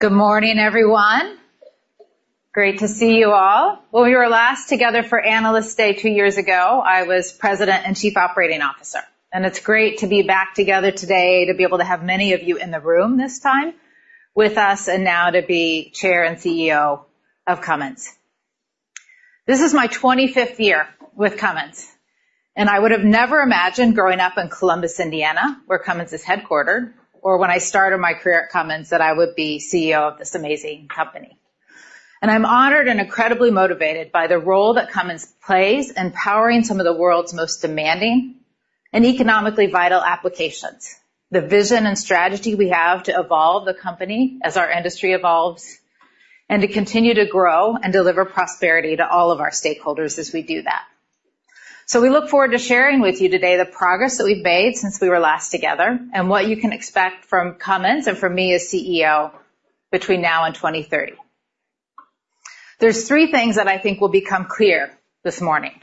Good morning, everyone. Great to see you all. When we were last together for Analyst Day two years ago, I was President and Chief Operating Officer, and it's great to be back together today, to be able to have many of you in the room this time with us, and now to be Chair and CEO of Cummins. This is my 25th year with Cummins, and I would have never imagined growing up in Columbus, Indiana, where Cummins is headquartered, or when I started my career at Cummins, that I would be CEO of this amazing company. I'm honored and incredibly motivated by the role that Cummins plays in powering some of the world's most demanding and economically vital applications, the vision and strategy we have to evolve the company as our industry evolves, and to continue to grow and deliver prosperity to all of our stakeholders as we do that. So we look forward to sharing with you today the progress that we've made since we were last together, and what you can expect from Cummins and from me as CEO between now and 2030. There's three things that I think will become clear this morning.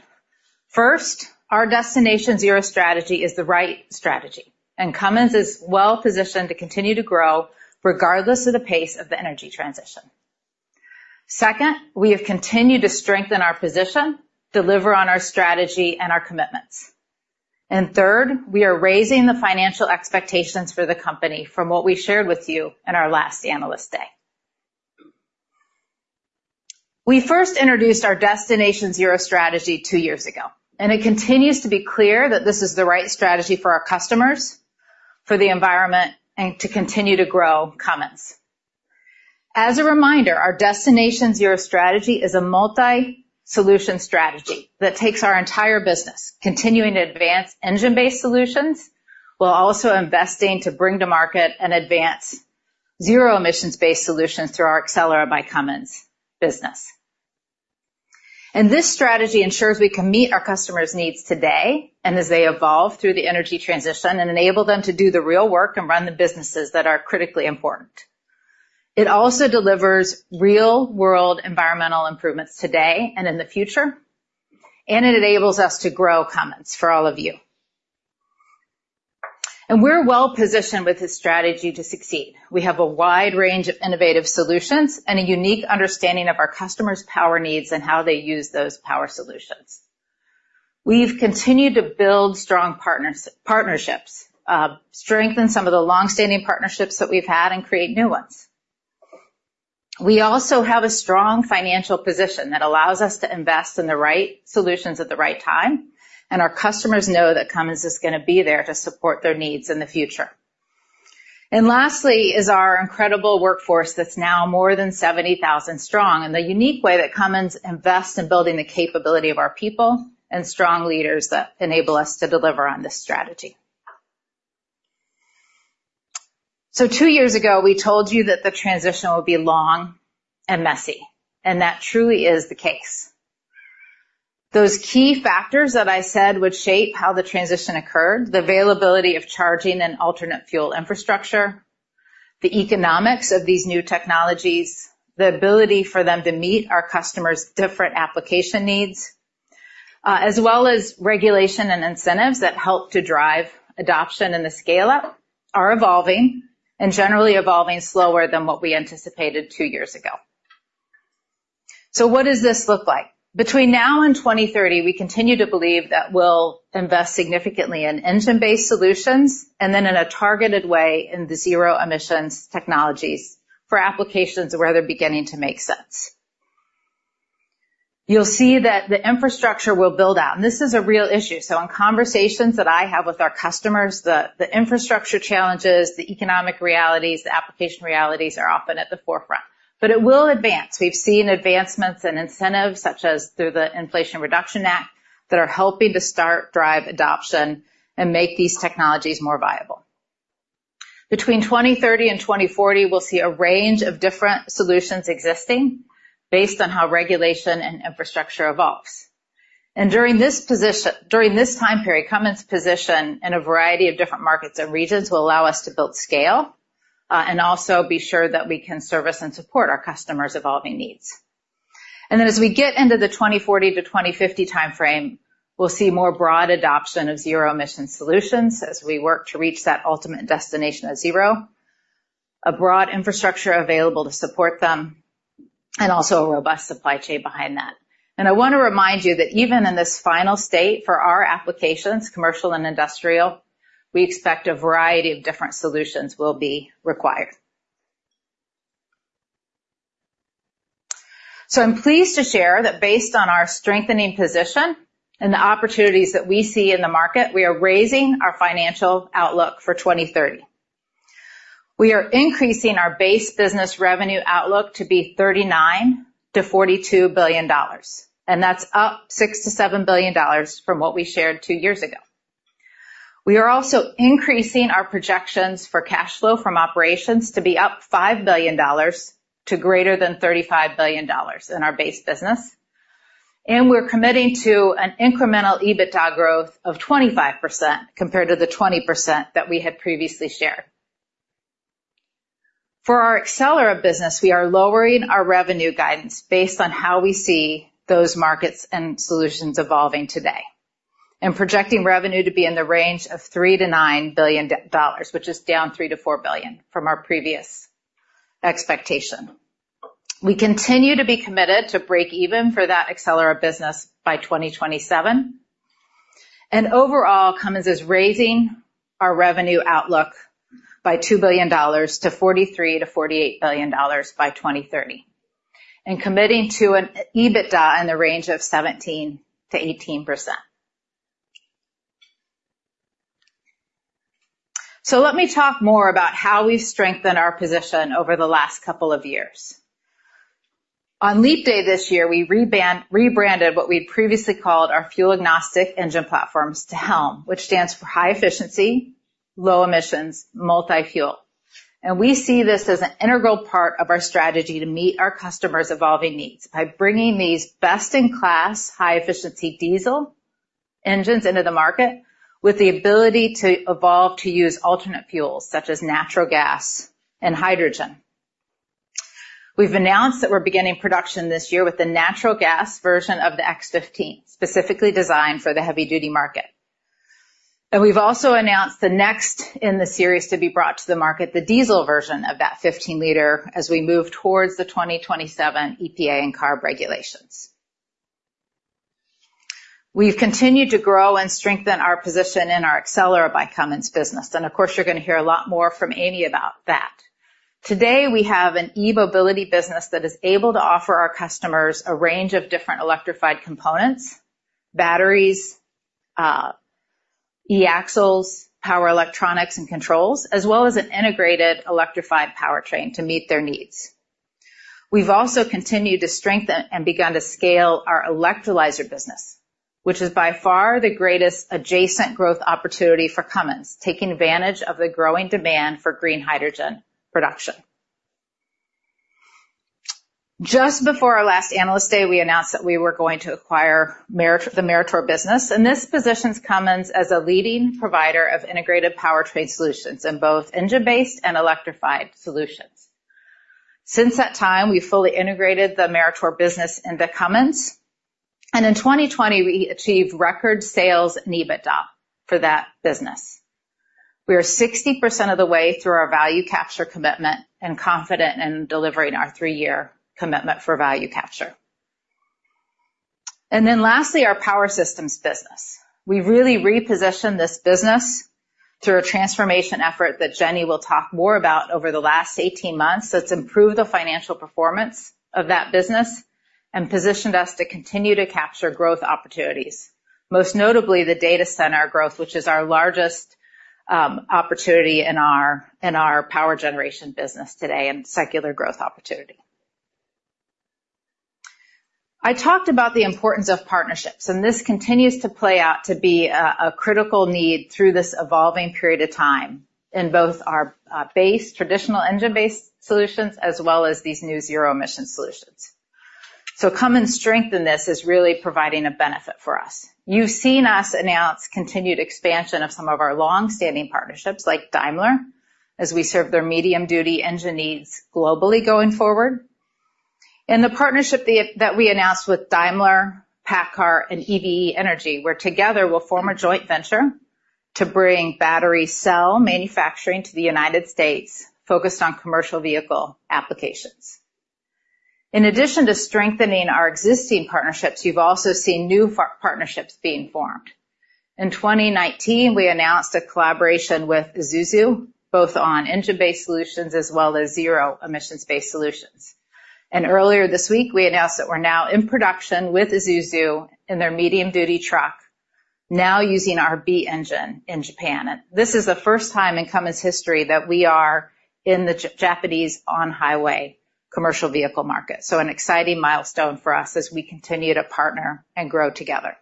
First, our Destination Zero strategy is the right strategy, and Cummins is well positioned to continue to grow regardless of the pace of the energy transition. Second, we have continued to strengthen our position, deliver on our strategy and our commitments. And third, we are raising the financial expectations for the company from what we shared with you in our last Analyst Day. We first introduced our Destination Zero strategy two years ago, and it continues to be clear that this is the right strategy for our customers, for the environment, and to continue to grow Cummins. As a reminder, our Destination Zero strategy is a multi-solution strategy that takes our entire business, continuing to advance engine-based solutions, while also investing to bring to market and advance zero emissions-based solutions through our Accelera by Cummins business. This strategy ensures we can meet our customers' needs today and as they evolve through the energy transition, and enable them to do the real work and run the businesses that are critically important. It also delivers real-world environmental improvements today and in the future, and it enables us to grow Cummins for all of you. We're well positioned with this strategy to succeed. We have a wide range of innovative solutions and a unique understanding of our customers' power needs and how they use those power solutions. We've continued to build strong partners, partnerships, strengthen some of the long-standing partnerships that we've had and create new ones. We also have a strong financial position that allows us to invest in the right solutions at the right time, and our customers know that Cummins is gonna be there to support their needs in the future. And lastly, is our incredible workforce that's now more than 70,000 strong, and the unique way that Cummins invests in building the capability of our people and strong leaders that enable us to deliver on this strategy. So two years ago, we told you that the transition would be long and messy, and that truly is the case. Those key factors that I said would shape how the transition occurred, the availability of charging and alternate fuel infrastructure, the economics of these new technologies, the ability for them to meet our customers' different application needs, as well as regulation and incentives that help to drive adoption and the scale-out, are evolving and generally evolving slower than what we anticipated two years ago. So what does this look like? Between now and 2030, we continue to believe that we'll invest significantly in engine-based solutions and then in a targeted way in the zero emissions technologies for applications where they're beginning to make sense. You'll see that the infrastructure will build out, and this is a real issue. So in conversations that I have with our customers, the infrastructure challenges, the economic realities, the application realities are often at the forefront, but it will advance. We've seen advancements and incentives, such as through the Inflation Reduction Act, that are helping to start drive adoption and make these technologies more viable. Between 2030 and 2040, we'll see a range of different solutions existing based on how regulation and infrastructure evolves. During this time period, Cummins' position in a variety of different markets and regions will allow us to build scale, and also be sure that we can service and support our customers' evolving needs. And then as we get into the 2040 to 2050 timeframe, we'll see more broad adoption of zero emission solutions as we work to reach that ultimate destination of zero, a broad infrastructure available to support them, and also a robust supply chain behind that. And I wanna remind you that even in this final state for our applications, commercial and industrial, we expect a variety of different solutions will be required. I'm pleased to share that based on our strengthening position and the opportunities that we see in the market, we are raising our financial outlook for 2030. We are increasing our base business revenue outlook to be $39 billion-$42 billion, and that's up $6 billion-$7 billion from what we shared two years ago. We are also increasing our projections for cash flow from operations to be up $5 billion to greater than $35 billion in our base business, and we're committing to an incremental EBITDA growth of 25% compared to the 20% that we had previously shared. For our Accelera business, we are lowering our revenue guidance based on how we see those markets and solutions evolving today and projecting revenue to be in the range of $3 billion-$9 billion, which is down $3 billion-$4 billion from our previous expectation. We continue to be committed to break even for that Accelera business by 2027. Overall, Cummins is raising our revenue outlook by $2 billion to $43 billion-$48 billion by 2030, and committing to an EBITDA in the range of 17%-18%. So let me talk more about how we strengthened our position over the last couple of years. On Leap Day this year, we rebranded what we previously called our fuel-agnostic engine platforms to HELM, which stands for High Efficiency, Low Emissions, Multi-fuel. And we see this as an integral part of our strategy to meet our customers' evolving needs by bringing these best-in-class, high-efficiency diesel engines into the market, with the ability to evolve to use alternate fuels, such as natural gas and hydrogen. We've announced that we're beginning production this year with the natural gas version of the X15, specifically designed for the heavy-duty market. We've also announced the next in the series to be brought to the market, the diesel version of that 15-liter, as we move towards the 2027 EPA and CARB regulations. We've continued to grow and strengthen our position in our Accelera by Cummins business, and of course, you're gonna hear a lot more from Amy about that. Today, we have an e-mobility business that is able to offer our customers a range of different electrified components, batteries, e-axles, power electronics, and controls, as well as an integrated electrified powertrain to meet their needs. We've also continued to strengthen and begun to scale our electrolyzer business, which is by far the greatest adjacent growth opportunity for Cummins, taking advantage of the growing demand for green hydrogen production. Just before our last Analyst Day, we announced that we were going to acquire Meritor, the Meritor business, and this positions Cummins as a leading provider of integrated powertrain solutions in both engine-based and electrified solutions. Since that time, we've fully integrated the Meritor business into Cummins, and in 2020, we achieved record sales and EBITDA for that business. We are 60% of the way through our value capture commitment and confident in delivering our three-year commitment for value capture. Lastly, our Power Systems business. We've really repositioned this business through a transformation effort that Jenny will talk more about over the last 18 months, that's improved the financial performance of that business and positioned us to continue to capture growth opportunities, most notably the data center growth, which is our largest opportunity in our power generation business today and secular growth opportunity. I talked about the importance of partnerships, and this continues to play out to be a critical need through this evolving period of time in both our base, traditional engine-based solutions as well as these new zero-emission solutions. So Cummins' strength in this is really providing a benefit for us. You've seen us announce continued expansion of some of our long-standing partnerships, like Daimler, as we serve their medium-duty engine needs globally going forward. And the partnership that we announced with Daimler, PACCAR, and EVE Energy, where together we'll form a joint venture to bring battery cell manufacturing to the United States, focused on commercial vehicle applications. In addition to strengthening our existing partnerships, you've also seen new partnerships being formed. In 2019, we announced a collaboration with Isuzu, both on engine-based solutions as well as zero-emissions-based solutions. Earlier this week, we announced that we're now in production with Isuzu in their medium-duty truck, now using our B engine in Japan. This is the first time in Cummins history that we are in the Japanese on-highway commercial vehicle market. An exciting milestone for us as we continue to partner and grow together.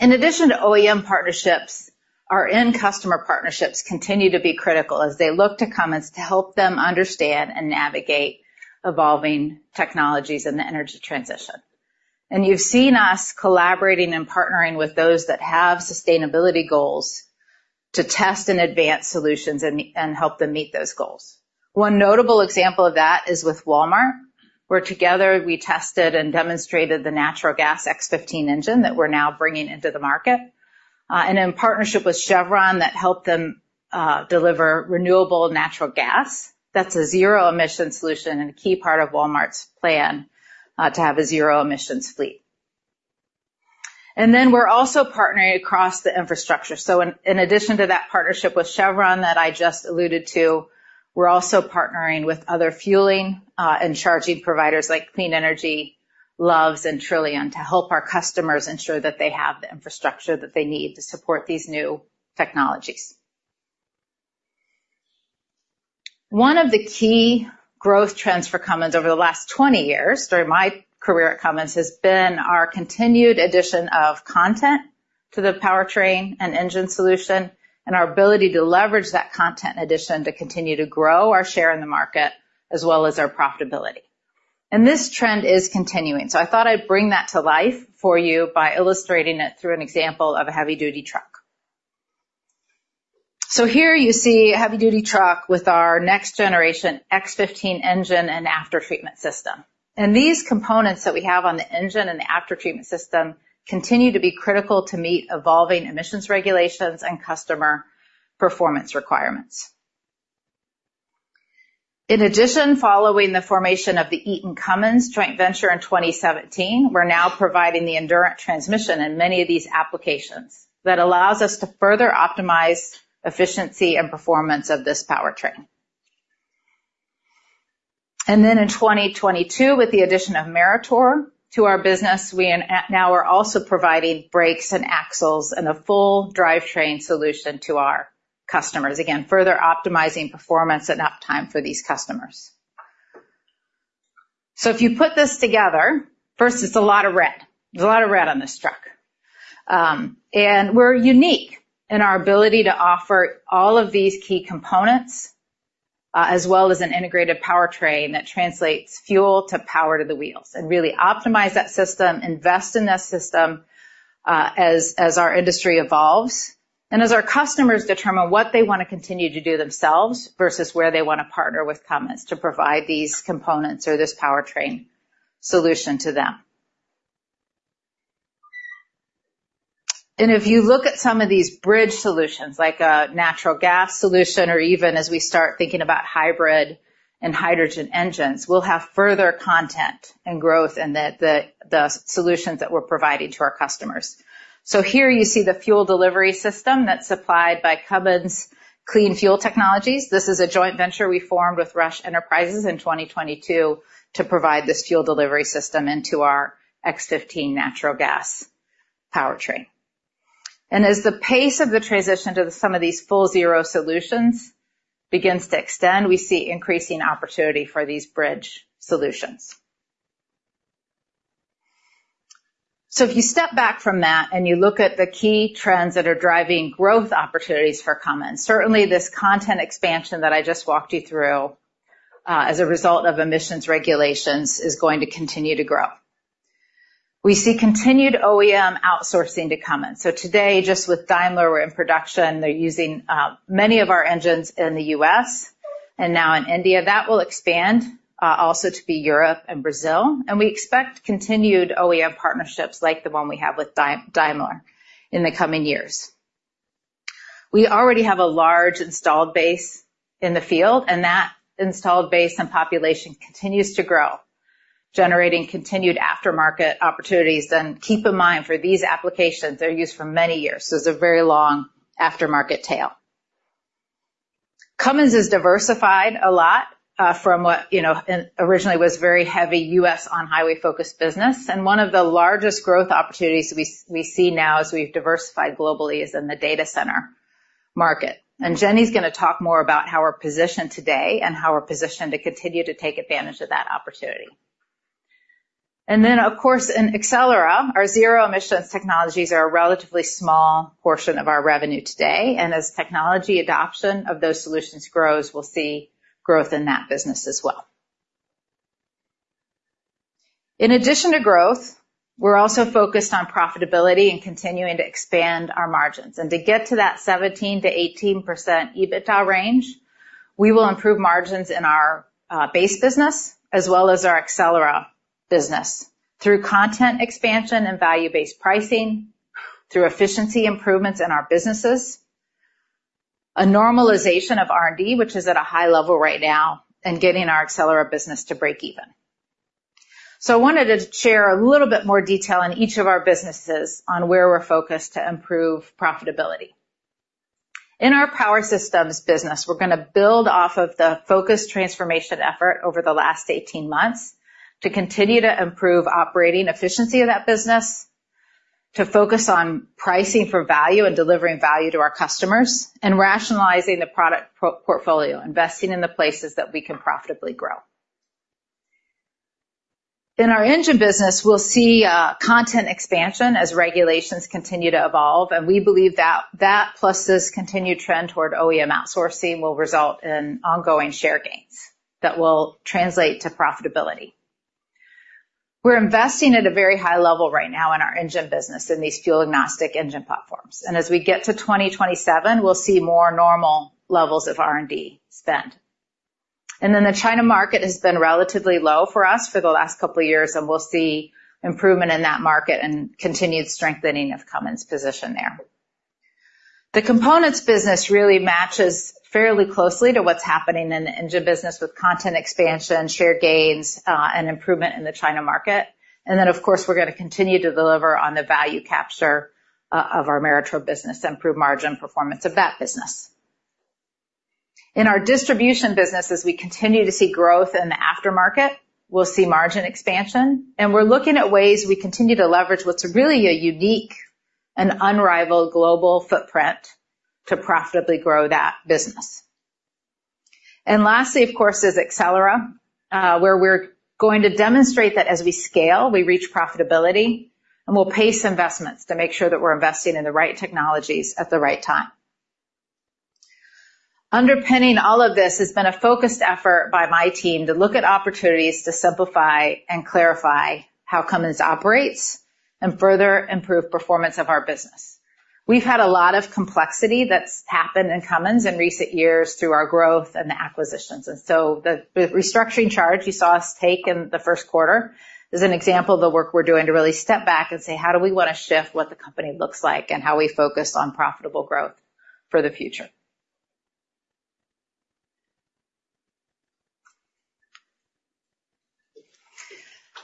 In addition to OEM partnerships, our end customer partnerships continue to be critical as they look to Cummins to help them understand and navigate evolving technologies in the energy transition. You've seen us collaborating and partnering with those that have sustainability goals to test and advance solutions and help them meet those goals. One notable example of that is with Walmart, where together we tested and demonstrated the natural gas X15 engine that we're now bringing into the market, and in partnership with Chevron, that helped them deliver renewable natural gas. That's a zero-emission solution and a key part of Walmart's plan to have a zero-emissions fleet. And then we're also partnering across the infrastructure. So in addition to that partnership with Chevron that I just alluded to, we're also partnering with other fueling and charging providers like Clean Energy, Love's, and Trillium, to help our customers ensure that they have the infrastructure that they need to support these new technologies. One of the key growth trends for Cummins over the last 20 years, during my career at Cummins, has been our continued addition of content to the powertrain and engine solution, and our ability to leverage that content addition to continue to grow our share in the market, as well as our profitability. And this trend is continuing, so I thought I'd bring that to life for you by illustrating it through an example of a heavy-duty truck. So here you see a heavy-duty truck with our next-generation X15 engine and after-treatment system. And these components that we have on the engine and the after-treatment system continue to be critical to meet evolving emissions regulations and customer performance requirements. In addition, following the formation of the Eaton Cummins joint venture in 2017, we're now providing the Endurant transmission in many of these applications that allows us to further optimize efficiency and performance of this powertrain. And then in 2022, with the addition of Meritor to our business, we are now also providing brakes and axles and a full drivetrain solution to our customers. Again, further optimizing performance and uptime for these customers. So if you put this together, first, it's a lot of red. There's a lot of red on this truck. and we're unique in our ability to offer all of these key components, as well as an integrated powertrain that translates fuel to power to the wheels and really optimize that system, invest in that system, as our industry evolves and as our customers determine what they want to continue to do themselves versus where they want to partner with Cummins to provide these components or this powertrain solution to them. And if you look at some of these bridge solutions, like a natural gas solution, or even as we start thinking about hybrid and hydrogen engines, we'll have further content and growth in the solutions that we're providing to our customers. So here you see the fuel delivery system that's supplied by Cummins Clean Fuel Technologies. This is a joint venture we formed with Rush Enterprises in 2022 to provide this fuel delivery system into our X15 natural gas powertrain. And as the pace of the transition to some of these full zero solutions begins to extend, we see increasing opportunity for these bridge solutions. So if you step back from that and you look at the key trends that are driving growth opportunities for Cummins, certainly this content expansion that I just walked you through, as a result of emissions regulations, is going to continue to grow. We see continued OEM outsourcing to Cummins. So today, just with Daimler, we're in production. They're using many of our engines in the U.S. and now in India. That will expand also to Europe and Brazil, and we expect continued OEM partnerships like the one we have with Daimler in the coming years. We already have a large installed base in the field, and that installed base and population continues to grow, generating continued aftermarket opportunities. Keep in mind, for these applications, they're used for many years, so it's a very long aftermarket tail. Cummins has diversified a lot from what, you know, originally was very heavy U.S. on-highway-focused business, and one of the largest growth opportunities we see now as we've diversified globally is in the data center market. Jenny's gonna talk more about how we're positioned today and how we're positioned to continue to take advantage of that opportunity. Of course, in Accelera, our zero-emissions technologies are a relatively small portion of our revenue today, and as technology adoption of those solutions grows, we'll see growth in that business as well. In addition to growth, we're also focused on profitability and continuing to expand our margins. To get to that 17%-18% EBITDA range, we will improve margins in our base business as well as our Accelera business through content expansion and value-based pricing, through efficiency improvements in our businesses, a normalization of R&D, which is at a high level right now, and getting our Accelera business to break even. I wanted to share a little bit more detail in each of our businesses on where we're focused to improve profitability. In our Power Systems business, we're gonna build off of the focused transformation effort over the last 18 months to continue to improve operating efficiency of that business, to focus on pricing for value and delivering value to our customers, and rationalizing the product portfolio, investing in the places that we can profitably grow. In our Engine Business, we'll see content expansion as regulations continue to evolve, and we believe that that, plus this continued trend toward OEM outsourcing, will result in ongoing share gains that will translate to profitability. We're investing at a very high level right now in our engine business, in these fuel-agnostic engine platforms, and as we get to 2027, we'll see more normal levels of R&D spend. And then the China market has been relatively low for us for the last couple of years, and we'll see improvement in that market and continued strengthening of Cummins' position there. The Components Business really matches fairly closely to what's happening in the Engine Business, with content expansion, share gains, and improvement in the China market. And then, of course, we're gonna continue to deliver on the value capture of our Meritor business and improve margin performance of that business. In our Distribution Business, as we continue to see growth in the aftermarket, we'll see margin expansion, and we're looking at ways we continue to leverage what's really a unique and unrivaled global footprint to profitably grow that business. And lastly, of course, is Accelera, where we're going to demonstrate that as we scale, we reach profitability, and we'll pace investments to make sure that we're investing in the right technologies at the right time. Underpinning all of this has been a focused effort by my team to look at opportunities to simplify and clarify how Cummins operates and further improve performance of our business. We've had a lot of complexity that's happened in Cummins in recent years through our growth and the acquisitions. And so the restructuring charge you saw us take in the first quarter is an example of the work we're doing to really step back and say: How do we want to shift what the company looks like and how we focus on profitable growth for the future?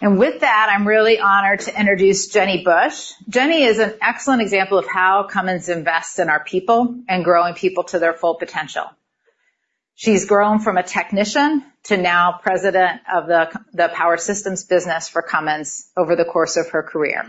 And with that, I'm really honored to introduce Jenny Bush. Jenny is an excellent example of how Cummins invests in our people and growing people to their full potential. She's grown from a technician to now president of the Power Systems business for Cummins over the course of her career.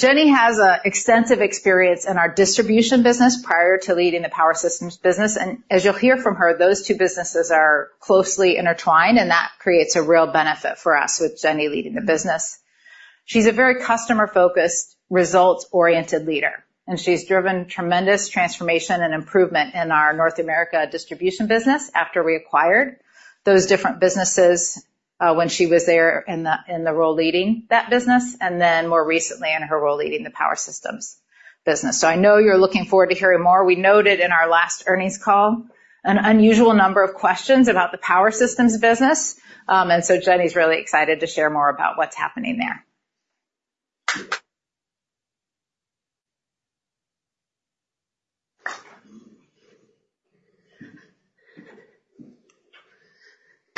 Jenny has extensive experience in our Distribution Business prior to leading the Power Systems business, and as you'll hear from her, those two businesses are closely intertwined, and that creates a real benefit for us with Jenny leading the business. She's a very customer-focused, results-oriented leader, and she's driven tremendous transformation and improvement in our North America Distribution business after we acquired those different businesses, when she was there in the, in the role leading that business, and then more recently in her role leading the Power Systems business. So I know you're looking forward to hearing more. We noted in our last earnings call an unusual number of questions about the Power Systems business, and so Jenny's really excited to share more about what's happening there.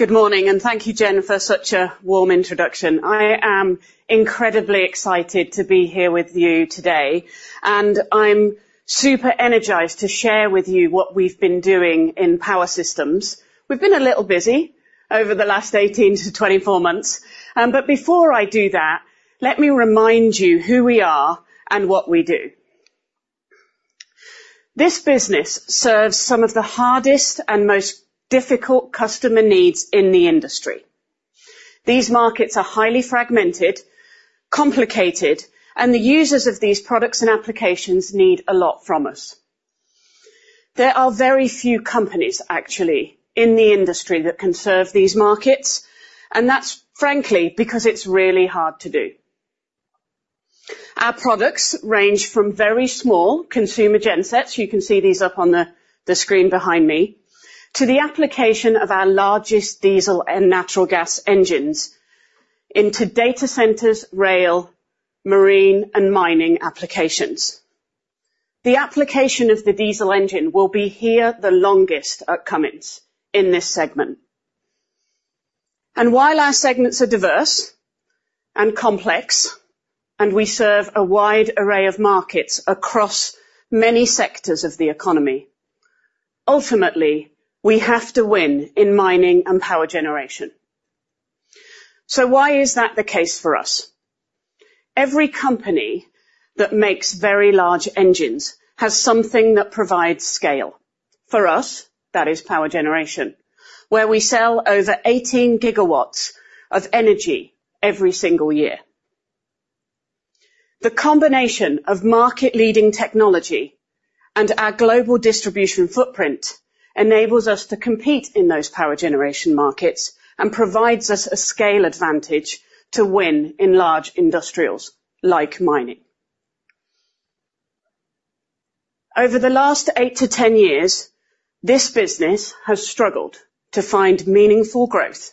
Good morning, and thank you, Jen, for such a warm introduction. I am incredibly excited to be here with you today, and I'm super energized to share with you what we've been doing in Power Systems. We've been a little busy over the last 18-24 months, but before I do that, let me remind you who we are and what we do. This business serves some of the hardest and most difficult customer needs in the industry. These markets are highly fragmented, complicated, and the users of these products and applications need a lot from us. There are very few companies, actually, in the industry that can serve these markets, and that's frankly because it's really hard to do. Our products range from very small consumer gensets, you can see these up on the screen behind me, to the application of our largest diesel and natural gas engines into data centers, rail, marine, and mining applications. The application of the diesel engine will be here the longest at Cummins in this segment. While our segments are diverse and complex, and we serve a wide array of markets across many sectors of the economy, ultimately, we have to win in mining and power generation. So why is that the case for us? Every company that makes very large engines has something that provides scale. For us, that is power generation, where we sell over 18 GW of energy every single year. The combination of market-leading technology and our global distribution footprint enables us to compete in those power generation markets and provides us a scale advantage to win in large industrials like mining. Over the last 8-10 years, this business has struggled to find meaningful growth,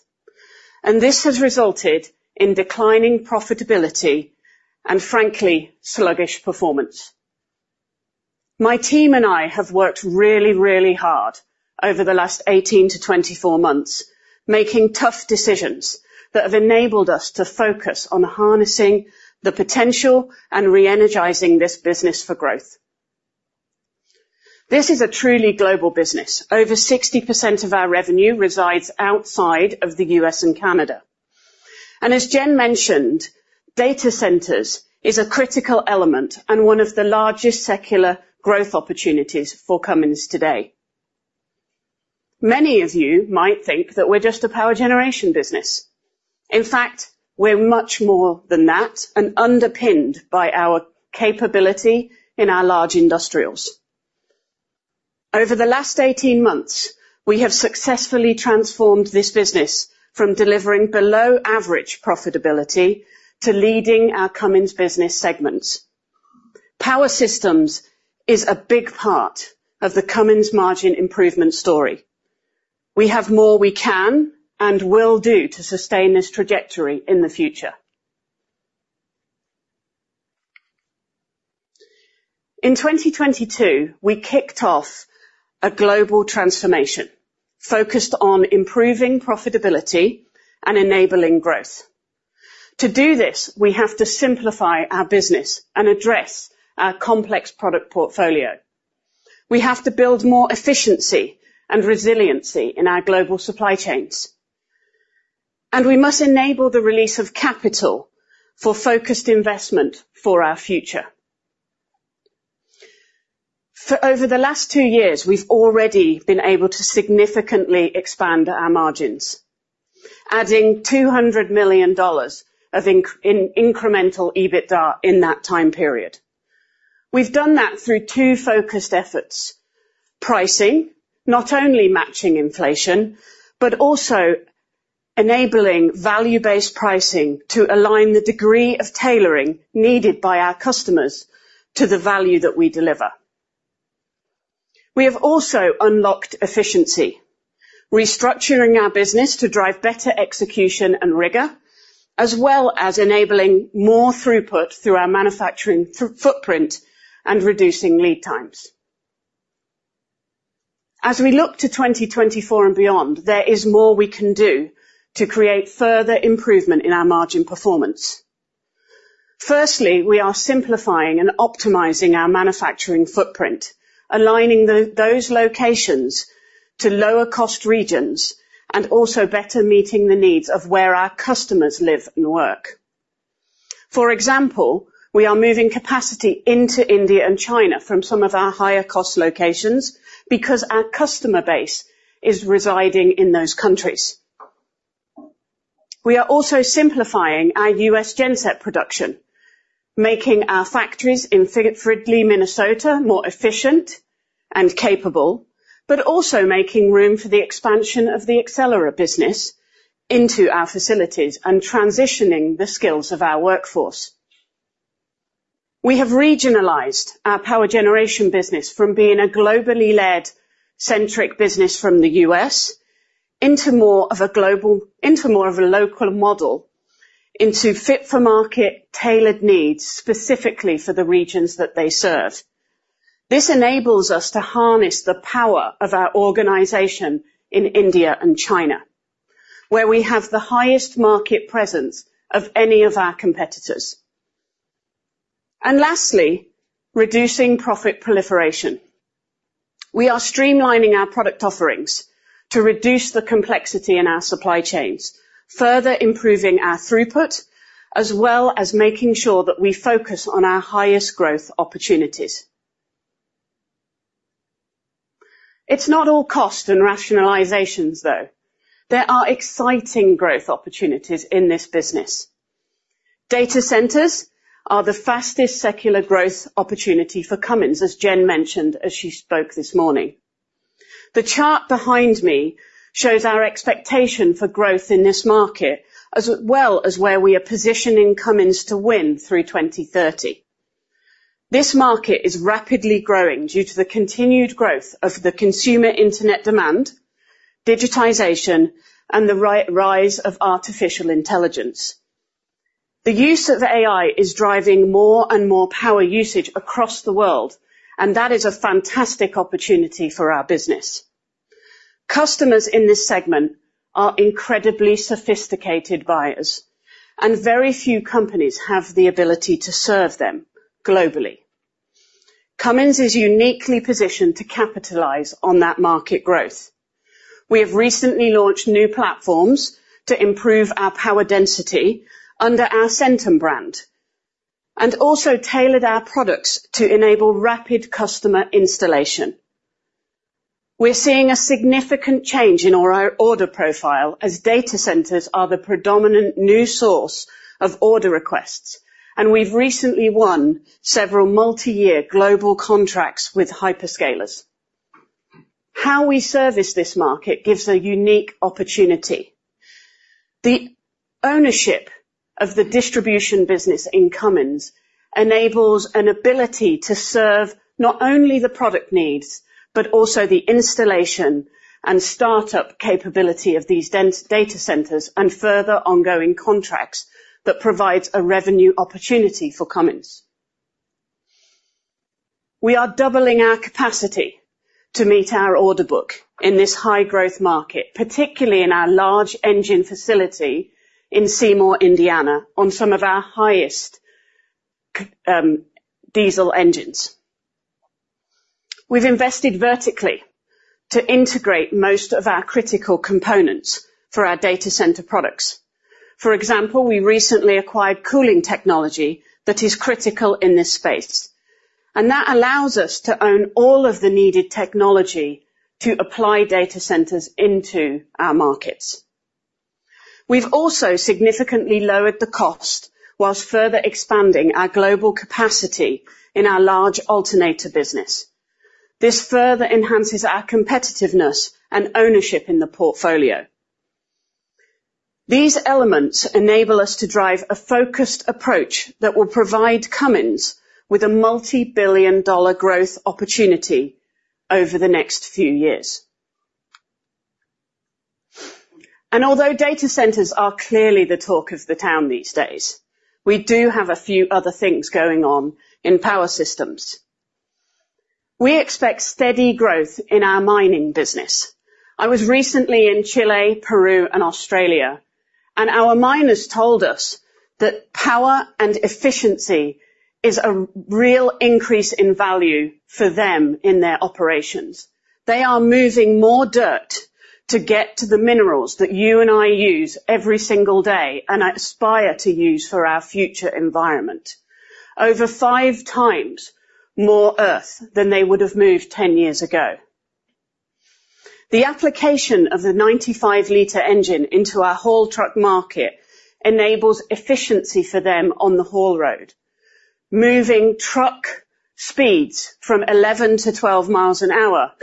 and this has resulted in declining profitability and, frankly, sluggish performance. My team and I have worked really, really hard over the last 18-24 months, making tough decisions that have enabled us to focus on harnessing the potential and re-energizing this business for growth. This is a truly global business. Over 60% of our revenue resides outside of the U.S. and Canada. And as Jen mentioned, data centers is a critical element and one of the largest secular growth opportunities for Cummins today. Many of you might think that we're just a power generation business. In fact, we're much more than that, and underpinned by our capability in our large industrials. Over the last 18 months, we have successfully transformed this business from delivering below-average profitability to leading our Cummins business segments. Power Systems is a big part of the Cummins margin improvement story. We have more we can and will do to sustain this trajectory in the future. In 2022, we kicked off a global transformation focused on improving profitability and enabling growth. To do this, we have to simplify our business and address our complex product portfolio. We have to build more efficiency and resiliency in our global supply chains, and we must enable the release of capital for focused investment for our future. For over the last two years, we've already been able to significantly expand our margins. Adding $200 million of incremental EBITDA in that time period. We've done that through two focused efforts: pricing, not only matching inflation, but also enabling value-based pricing to align the degree of tailoring needed by our customers to the value that we deliver. We have also unlocked efficiency, restructuring our business to drive better execution and rigor, as well as enabling more throughput through our manufacturing footprint and reducing lead times. As we look to 2024 and beyond, there is more we can do to create further improvement in our margin performance. Firstly, we are simplifying and optimizing our manufacturing footprint, aligning those locations to lower cost regions, and also better meeting the needs of where our customers live and work. For example, we are moving capacity into India and China from some of our higher cost locations because our customer base is residing in those countries. We are also simplifying our U.S. genset production, making our factories in Fridley, Minnesota, more efficient and capable, but also making room for the expansion of the Accelera business into our facilities and transitioning the skills of our workforce. We have regionalized our power generation business from being a globally led centric business from the U.S. into more of a local model, into fit for market, tailored needs, specifically for the regions that they serve. This enables us to harness the power of our organization in India and China, where we have the highest market presence of any of our competitors. And lastly, reducing profit proliferation. We are streamlining our product offerings to reduce the complexity in our supply chains, further improving our throughput, as well as making sure that we focus on our highest growth opportunities. It's not all cost and rationalizations, though. There are exciting growth opportunities in this business. Data centers are the fastest secular growth opportunity for Cummins, as Jen mentioned, as she spoke this morning. The chart behind me shows our expectation for growth in this market, as well as where we are positioning Cummins to win through 2030. This market is rapidly growing due to the continued growth of the consumer internet demand, digitization, and the rise of artificial intelligence. The use of AI is driving more and more power usage across the world, and that is a fantastic opportunity for our business. Customers in this segment are incredibly sophisticated buyers, and very few companies have the ability to serve them globally. Cummins is uniquely positioned to capitalize on that market growth. We have recently launched new platforms to improve our power density under our Centum brand, and also tailored our products to enable rapid customer installation. We're seeing a significant change in our order profile as data centers are the predominant new source of order requests, and we've recently won several multi-year global contracts with hyperscalers. How we service this market gives a unique opportunity. The ownership of the Distribution business in Cummins enables an ability to serve not only the product needs, but also the installation and startup capability of these dense data centers and further ongoing contracts that provides a revenue opportunity for Cummins. We are doubling our capacity to meet our order book in this high-growth market, particularly in our large engine facility in Seymour, Indiana, on some of our highest diesel engines. We've invested vertically to integrate most of our critical components for our data center products. For example, we recently acquired cooling technology that is critical in this space, and that allows us to own all of the needed technology to apply data centers into our markets. We've also significantly lowered the cost whilst further expanding our global capacity in our large alternator business. This further enhances our competitiveness and ownership in the portfolio. These elements enable us to drive a focused approach that will provide Cummins with a multi-billion dollar growth opportunity over the next few years. Although data centers are clearly the talk of the town these days, we do have a few other things going on in Power Systems. We expect steady growth in our mining business. I was recently in Chile, Peru, and Australia, and our miners told us that power and efficiency is a real increase in value for them in their operations. They are moving more dirt to get to the minerals that you and I use every single day and aspire to use for our future environment. Over 5x more earth than they would have moved 10 years ago. The application of the 95-liter engine into our haul truck market enables efficiency for them on the haul road, moving truck speeds from 11-12 miles an hour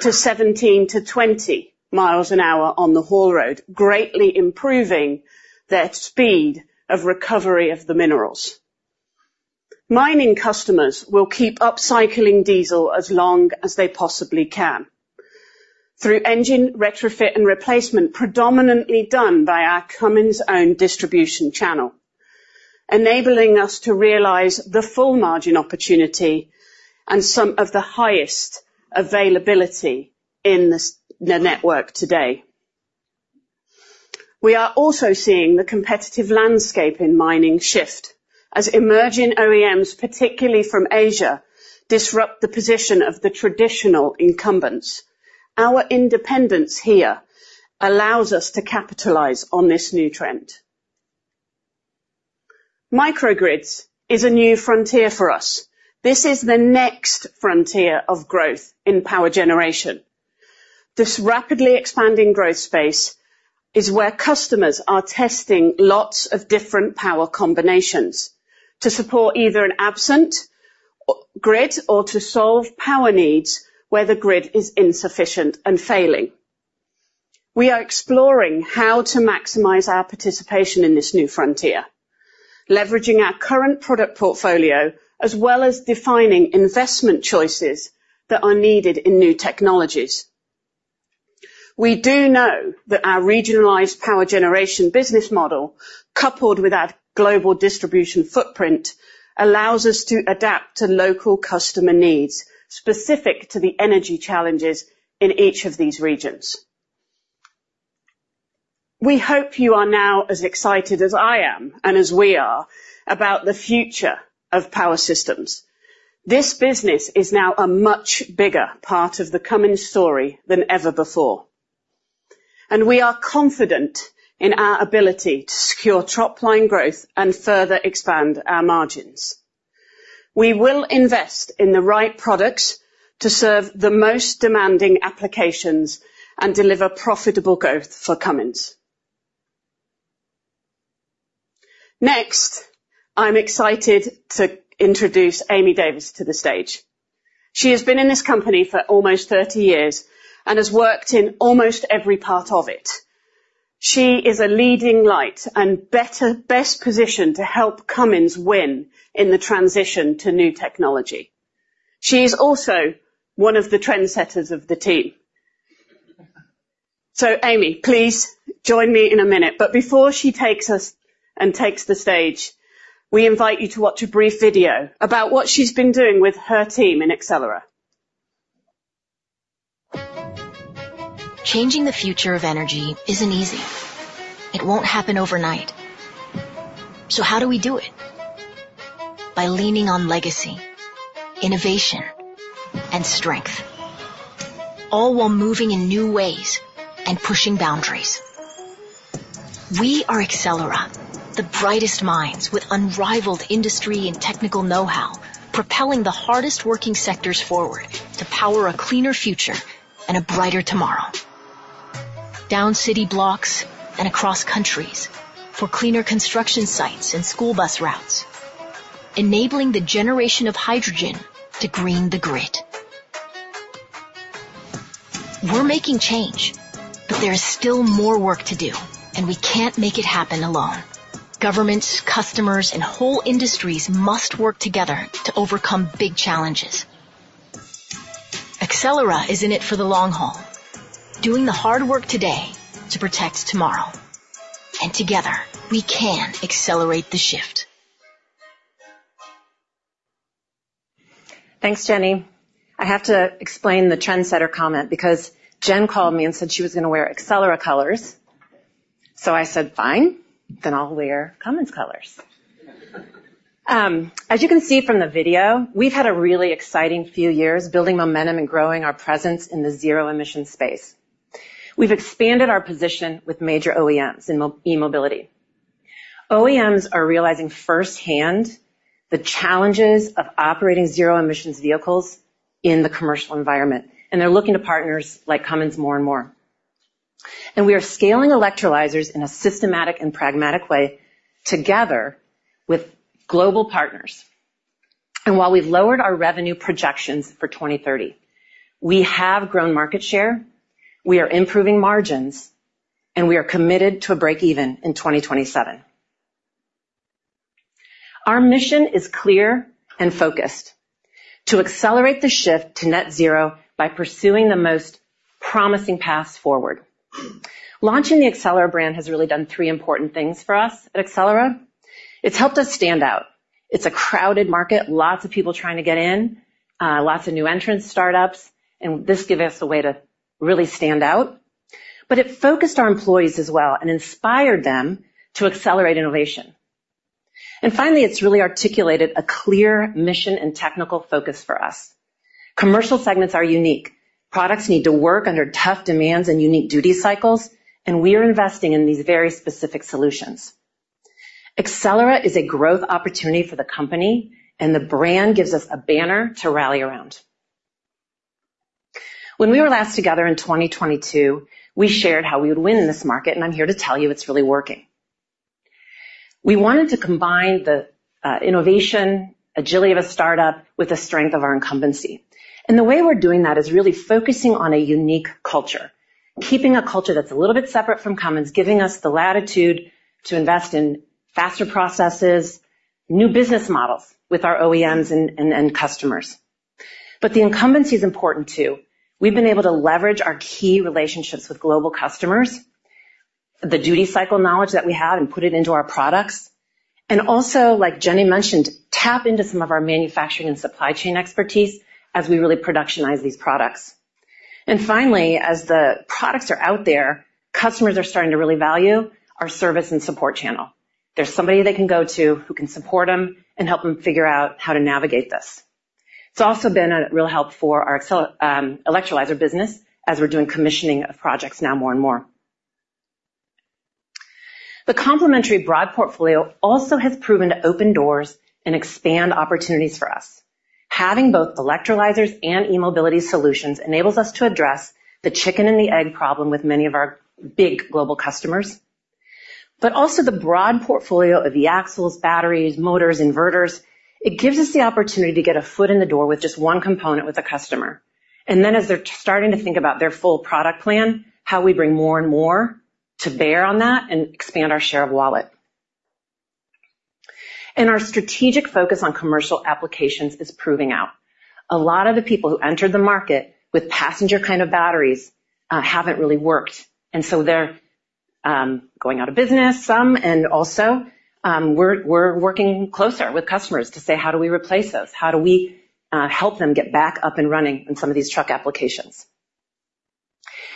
to 17-20 miles an hour on the haul road, greatly improving their speed of recovery of the minerals. Mining customers will keep upcycling diesel as long as they possibly can through engine retrofit and replacement, predominantly done by our Cummins' own distribution channel, enabling us to realize the full margin opportunity and some of the highest availability in this, the network today. We are also seeing the competitive landscape in mining shift as emerging OEMs, particularly from Asia, disrupt the position of the traditional incumbents. Our independence here allows us to capitalize on this new trend. Microgrids is a new frontier for us. This is the next frontier of growth in power generation. This rapidly expanding growth space is where customers are testing lots of different power combinations to support either an absent grid or to solve power needs where the grid is insufficient and failing. We are exploring how to maximize our participation in this new frontier, leveraging our current product portfolio, as well as defining investment choices that are needed in new technologies. We do know that our regionalized power generation business model, coupled with our global distribution footprint, allows us to adapt to local customer needs specific to the energy challenges in each of these regions. We hope you are now as excited as I am, and as we are, about the future of Power Systems. This business is now a much bigger part of the Cummins story than ever before, and we are confident in our ability to secure top line growth and further expand our margins. We will invest in the right products to serve the most demanding applications and deliver profitable growth for Cummins. Next, I'm excited to introduce Amy Davis to the stage. She has been in this company for almost 30 years and has worked in almost every part of it. She is a leading light and best positioned to help Cummins win in the transition to new technology. She is also one of the trendsetters of the team. So, Amy, please join me in a minute, but before she takes us and takes the stage, we invite you to watch a brief video about what she's been doing with her team in Accelera. Changing the future of energy isn't easy. It won't happen overnight. So how do we do it? By leaning on legacy, innovation, and strength, all while moving in new ways and pushing boundaries. We are Accelera, the brightest minds with unrivaled industry and technical know-how, propelling the hardest working sectors forward to power a cleaner future and a brighter tomorrow. Down city blocks and across countries for cleaner construction sites and school bus routes, enabling the generation of hydrogen to green the grid. We're making change, but there's still more work to do, and we can't make it happen alone. Governments, customers, and whole industries must work together to overcome big challenges. Accelera is in it for the long haul, doing the hard work today to protect tomorrow, and together, we can accelerate the shift. Thanks, Jenny. I have to explain the trendsetter comment because Jen called me and said she was going to wear Accelera colors, so I said, "Fine, then I'll wear Cummins colors." As you can see from the video, we've had a really exciting few years building momentum and growing our presence in the zero-emission space. We've expanded our position with major OEMs in e-mobility. OEMs are realizing firsthand the challenges of operating zero-emissions vehicles in the commercial environment, and they're looking to partners like Cummins more and more. We are scaling electrolyzers in a systematic and pragmatic way, together with global partners. While we've lowered our revenue projections for 2030, we have grown market share, we are improving margins, and we are committed to a break even in 2027. Our mission is clear and focused: to accelerate the shift to net zero by pursuing the most promising paths forward. Launching the Accelera brand has really done three important things for us at Accelera. It's helped us stand out. It's a crowded market, lots of people trying to get in, lots of new entrants, startups, and this gives us a way to really stand out. But it focused our employees as well and inspired them to accelerate innovation. And finally, it's really articulated a clear mission and technical focus for us. Commercial segments are unique. Products need to work under tough demands and unique duty cycles, and we are investing in these very specific solutions. Accelera is a growth opportunity for the company, and the brand gives us a banner to rally around. When we were last together in 2022, we shared how we would win in this market, and I'm here to tell you it's really working. We wanted to combine the innovation, agility of a startup with the strength of our incumbency. And the way we're doing that is really focusing on a unique culture, keeping a culture that's a little bit separate from Cummins, giving us the latitude to invest in faster processes, new business models with our OEMs and end customers. But the incumbency is important, too. We've been able to leverage our key relationships with global customers, the duty cycle knowledge that we have and put it into our products, and also, like Jenny mentioned, tap into some of our manufacturing and supply chain expertise as we really productionize these products. And finally, as the products are out there, customers are starting to really value our service and support channel. There's somebody they can go to who can support them and help them figure out how to navigate this. It's also been a real help for our electrolyzer business as we're doing commissioning of projects now more and more. The complementary broad portfolio also has proven to open doors and expand opportunities for us. Having both electrolyzers and e-mobility solutions enables us to address the chicken and the egg problem with many of our big global customers, but also the broad portfolio of the axles, batteries, motors, inverters. It gives us the opportunity to get a foot in the door with just one component with a customer, and then as they're starting to think about their full product plan, how we bring more and more to bear on that and expand our share of wallet. Our strategic focus on commercial applications is proving out. A lot of the people who entered the market with passenger kind of batteries haven't really worked, and so they're going out of business, some, and also, we're working closer with customers to say: How do we replace those? How do we help them get back up and running in some of these truck applications?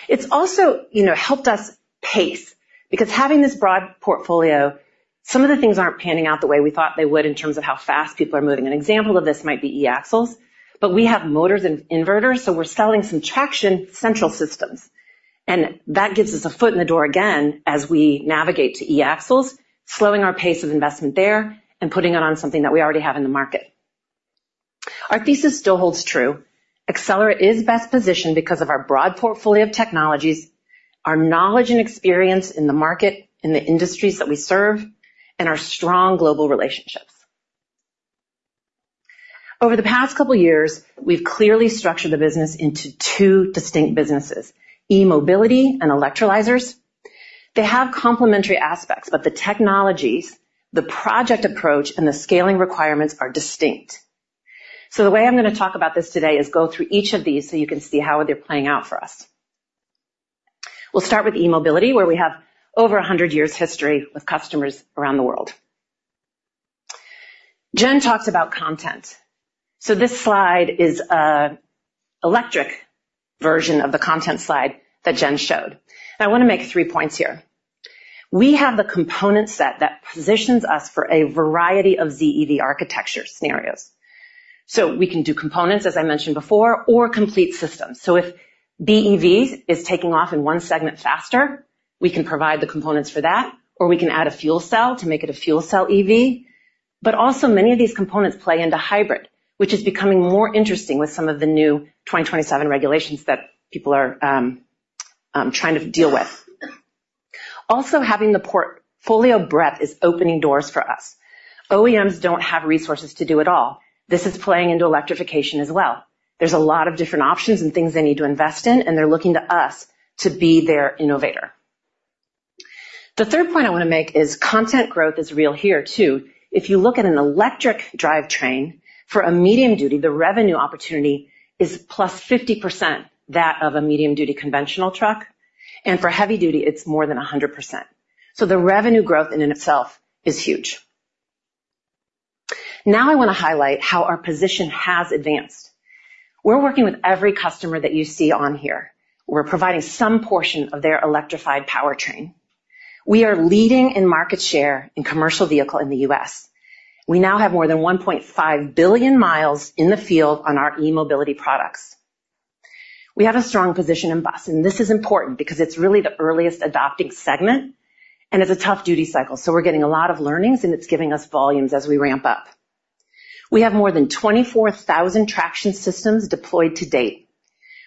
It's also, you know, helped us pace because having this broad portfolio, some of the things aren't panning out the way we thought they would in terms of how fast people are moving. An example of this might be e-axles, but we have motors and inverters, so we're selling some traction central systems, and that gives us a foot in the door again as we navigate to e-axles, slowing our pace of investment there and putting it on something that we already have in the market. Our thesis still holds true. Accelera is best positioned because of our broad portfolio of technologies, our knowledge and experience in the market, in the industries that we serve, and our strong global relationships. Over the past couple of years, we've clearly structured the business into two distinct businesses, e-mobility and electrolyzers. They have complementary aspects, but the technologies, the project approach, and the scaling requirements are distinct. So the way I'm going to talk about this today is go through each of these so you can see how they're playing out for us. We'll start with e-mobility, where we have over 100 years history with customers around the world. Jen talks about content. So this slide is an electric version of the content slide that Jen showed. I want to make three points here. We have the component set that positions us for a variety of ZEV architecture scenarios. So we can do components, as I mentioned before, or complete systems. So if BEV is taking off in one segment faster, we can provide the components for that, or we can add a fuel cell to make it a fuel cell EV, but also many of these components play into hybrid, which is becoming more interesting with some of the new 2027 regulations that people are trying to deal with. Also, having the portfolio breadth is opening doors for us. OEMs don't have resources to do it all. This is playing into electrification as well. There's a lot of different options and things they need to invest in, and they're looking to us to be their innovator. The third point I want to make is content growth is real here, too. If you look at an electric drivetrain for a medium-duty, the revenue opportunity is +50% that of a medium-duty conventional truck, and for heavy duty, it's more than 100%. So the revenue growth in and itself is huge. Now, I want to highlight how our position has advanced. We're working with every customer that you see on here. We're providing some portion of their electrified powertrain. We are leading in market share in commercial vehicle in the U.S. We now have more than 1.5 billion miles in the field on our e-mobility products. We have a strong position in bus, and this is important because it's really the earliest adopting segment, and it's a tough duty cycle, so we're getting a lot of learnings, and it's giving us volumes as we ramp up. We have more than 24,000 traction systems deployed to date.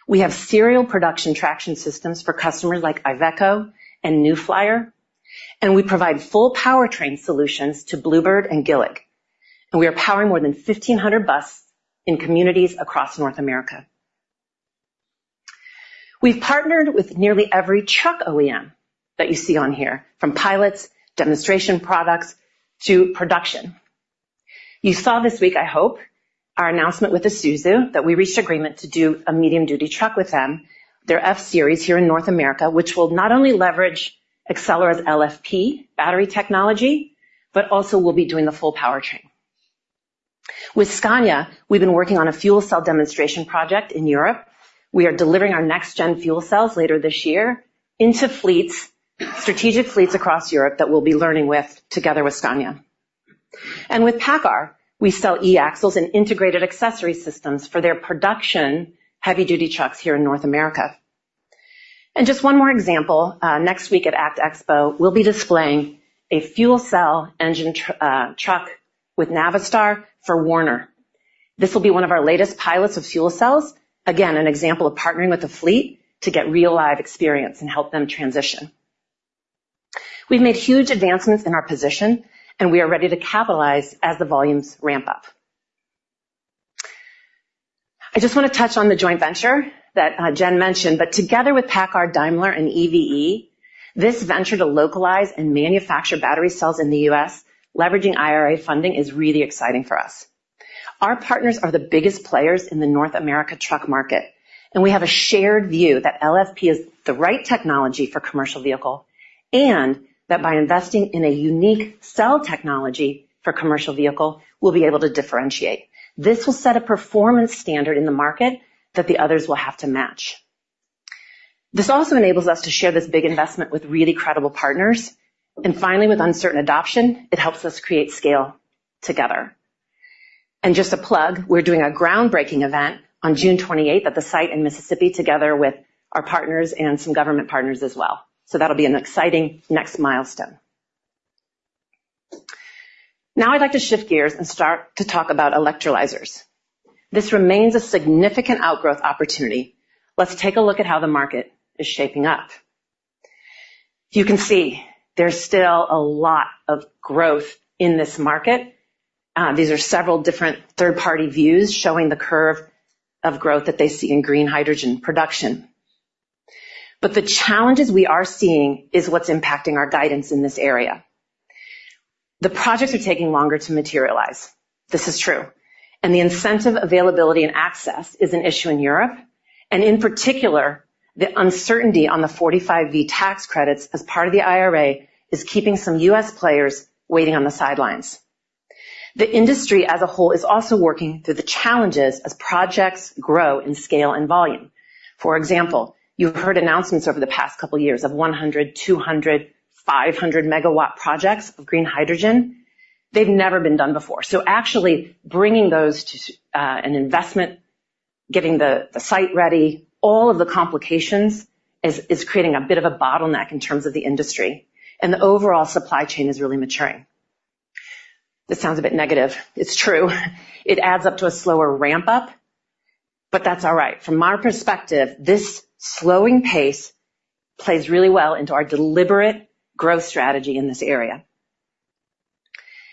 We have serial production traction systems for customers like IVECO and New Flyer, and we provide full powertrain solutions to Blue Bird and GILLIG, and we are powering more than 1,500 buses in communities across North America. We've partnered with nearly every truck OEM that you see on here, from pilots, demonstration products, to production. You saw this week, I hope, our announcement with Isuzu, that we reached agreement to do a medium duty truck with them, their F-Series here in North America, which will not only leverage Accelera's LFP battery technology, but also we'll be doing the full powertrain. With Scania, we've been working on a fuel cell demonstration project in Europe. We are delivering our next gen fuel cells later this year into fleets, strategic fleets across Europe that we'll be learning with together with Scania. And with PACCAR, we sell e-axles and integrated accessory systems for their production heavy-duty trucks here in North America. And just one more example, next week at ACT Expo, we'll be displaying a fuel cell engine truck with Navistar for Werner. This will be one of our latest pilots of fuel cells. Again, an example of partnering with a fleet to get real live experience and help them transition. We've made huge advancements in our position, and we are ready to capitalize as the volumes ramp up. I just want to touch on the joint venture that Jen mentioned, but together with PACCAR, Daimler and EVE, this venture to localize and manufacture battery cells in the U.S., leveraging IRA funding, is really exciting for us. Our partners are the biggest players in the North America truck market, and we have a shared view that LFP is the right technology for commercial vehicle, and that by investing in a unique cell technology for commercial vehicle, we'll be able to differentiate. This will set a performance standard in the market that the others will have to match. This also enables us to share this big investment with really credible partners, and finally, with uncertain adoption, it helps us create scale together. Just a plug, we're doing a groundbreaking event on June 28 at the site in Mississippi, together with our partners and some government partners as well. So that'll be an exciting next milestone. Now I'd like to shift gears and start to talk about electrolyzers. This remains a significant outgrowth opportunity. Let's take a look at how the market is shaping up. You can see there's still a lot of growth in this market. These are several different third-party views showing the curve of growth that they see in green hydrogen production. But the challenges we are seeing is what's impacting our guidance in this area. The projects are taking longer to materialize. This is true, and the incentive, availability and access is an issue in Europe, and in particular, the uncertainty on the 45V tax credits as part of the IRA is keeping some U.S. players waiting on the sidelines. The industry as a whole is also working through the challenges as projects grow in scale and volume. For example, you've heard announcements over the past couple of years of 100 MW, 200 MW, 500 MW projects of green hydrogen. They've never been done before. So actually bringing those to an investment, getting the site ready, all of the complications is creating a bit of a bottleneck in terms of the industry, and the overall supply chain is really maturing. This sounds a bit negative. It's true. It adds up to a slower ramp-up, but that's all right. From our perspective, this slowing pace plays really well into our deliberate growth strategy in this area.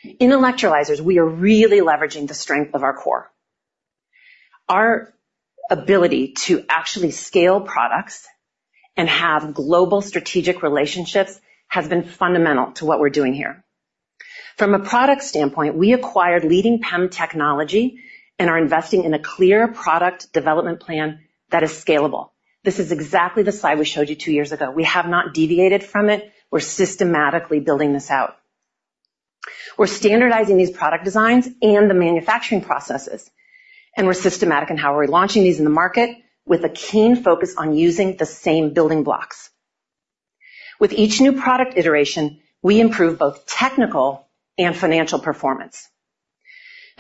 In electrolyzers, we are really leveraging the strength of our core. Our ability to actually scale products and have global strategic relationships has been fundamental to what we're doing here. From a product standpoint, we acquired leading PEM technology and are investing in a clear product development plan that is scalable. This is exactly the slide we showed you two years ago. We have not deviated from it. We're systematically building this out. We're standardizing these product designs and the manufacturing processes, and we're systematic in how we're launching these in the market, with a keen focus on using the same building blocks. With each new product iteration, we improve both technical and financial performance.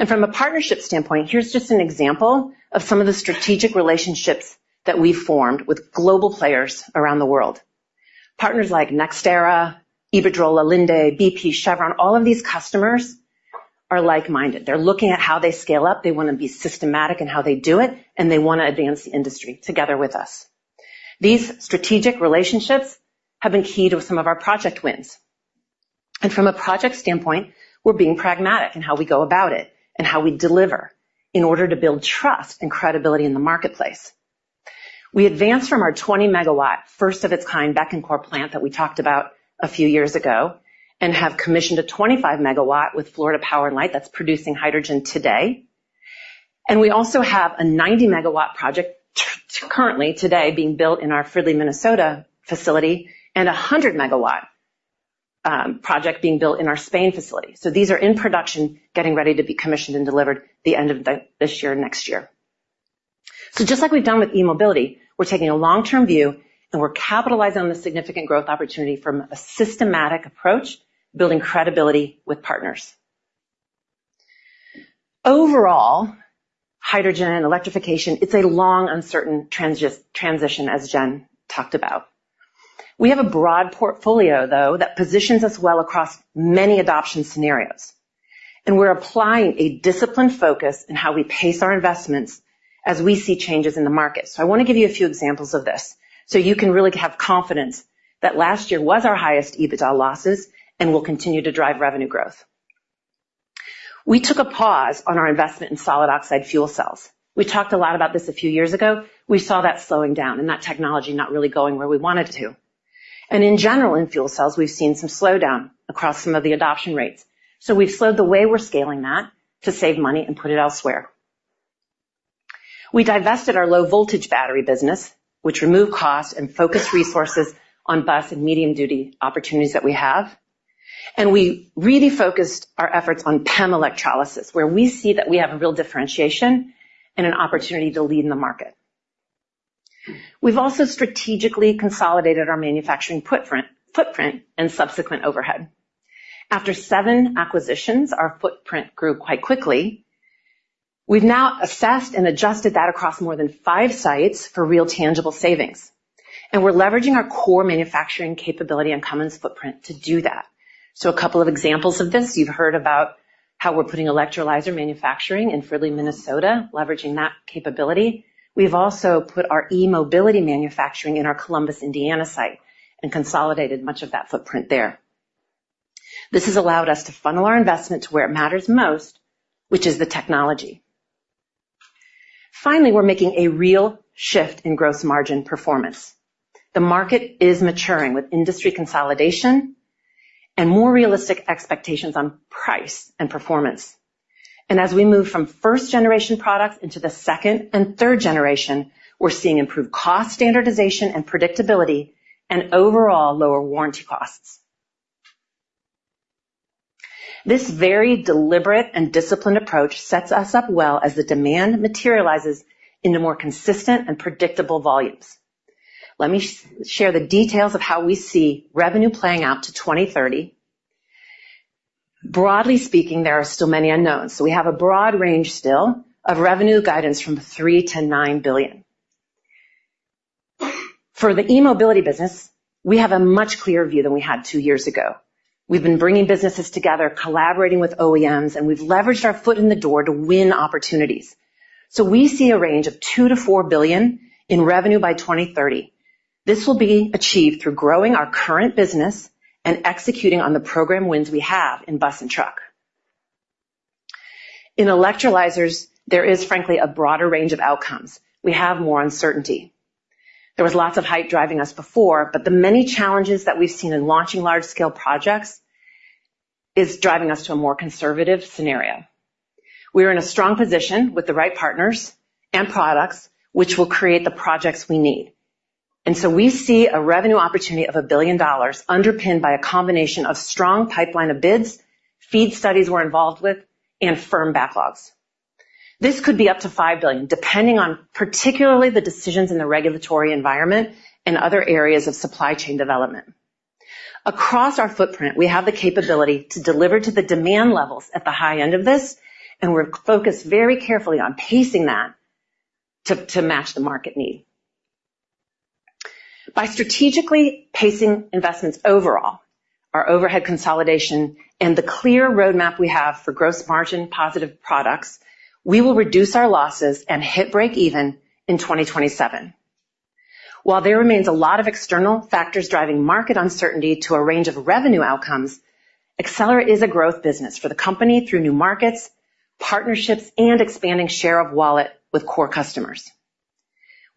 From a partnership standpoint, here's just an example of some of the strategic relationships that we've formed with global players around the world. Partners like NextEra, Iberdrola, Linde, BP, Chevron, all of these customers are like-minded. They're looking at how they scale up. They want to be systematic in how they do it, and they want to advance the industry together with us. These strategic relationships have been key to some of our project wins. From a project standpoint, we're being pragmatic in how we go about it and how we deliver in order to build trust and credibility in the marketplace. We advanced from our 20 MW, first of its kind, Becancour plant that we talked about a few years ago and have commissioned a 25 MW with Florida Power & Light that's producing hydrogen today. And we also have a 90 MW project currently today being built in our Fridley, Minnesota facility and a 100 MW project being built in our Spain facility. So these are in production, getting ready to be commissioned and delivered the end of this year, next year. So just like we've done with e-mobility, we're taking a long-term view, and we're capitalizing on the significant growth opportunity from a systematic approach, building credibility with partners. Overall, hydrogen and electrification, it's a long, uncertain transition, as Jen talked about. We have a broad portfolio, though, that positions us well across many adoption scenarios, and we're applying a disciplined focus in how we pace our investments as we see changes in the market. So I want to give you a few examples of this so you can really have confidence that last year was our highest EBITDA losses and will continue to drive revenue growth. We took a pause on our investment in solid oxide fuel cells. We talked a lot about this a few years ago. We saw that slowing down and that technology not really going where we wanted it to. And in general, in fuel cells, we've seen some slowdown across some of the adoption rates, so we've slowed the way we're scaling that to save money and put it elsewhere. We divested our low-voltage battery business, which removed costs and focused resources on bus and medium-duty opportunities that we have. And we really focused our efforts on PEM electrolysis, where we see that we have a real differentiation and an opportunity to lead in the market. We've also strategically consolidated our manufacturing footprint and subsequent overhead. After seven acquisitions, our footprint grew quite quickly. We've now assessed and adjusted that across more than five sites for real tangible savings, and we're leveraging our core manufacturing capability and Cummins footprint to do that. So a couple of examples of this, you've heard about how we're putting electrolyzer manufacturing in Fridley, Minnesota, leveraging that capability. We've also put our e-mobility manufacturing in our Columbus, Indiana, site and consolidated much of that footprint there. This has allowed us to funnel our investment to where it matters most, which is the technology. Finally, we're making a real shift in gross margin performance. The market is maturing, with industry consolidation and more realistic expectations on price and performance. As we move from first generation products into the second and third generation, we're seeing improved cost standardization and predictability and overall lower warranty costs. This very deliberate and disciplined approach sets us up well as the demand materializes into more consistent and predictable volumes. Let me share the details of how we see revenue playing out to 2030. Broadly speaking, there are still many unknowns, so we have a broad range still of revenue guidance from $3 billion-$9 billion. For the e-mobility business, we have a much clearer view than we had two years ago. We've been bringing businesses together, collaborating with OEMs, and we've leveraged our foot in the door to win opportunities. We see a range of $2 billion-$4 billion in revenue by 2030. This will be achieved through growing our current business and executing on the program wins we have in bus and truck. In electrolyzers, there is, frankly, a broader range of outcomes. We have more uncertainty. There was lots of hype driving us before, but the many challenges that we've seen in launching large-scale projects is driving us to a more conservative scenario. We are in a strong position with the right partners and products, which will create the projects we need. And so we see a revenue opportunity of $1 billion, underpinned by a combination of strong pipeline of bids, FEED studies we're involved with, and firm backlogs. This could be up to $5 billion, depending on particularly the decisions in the regulatory environment and other areas of supply chain development. Across our footprint, we have the capability to deliver to the demand levels at the high end of this, and we're focused very carefully on pacing that to match the market need. By strategically pacing investments overall, our overhead consolidation and the clear roadmap we have for gross margin positive products, we will reduce our losses and hit breakeven in 2027. While there remains a lot of external factors driving market uncertainty to a range of revenue outcomes, Accelera is a growth business for the company through new markets, partnerships, and expanding share of wallet with core customers.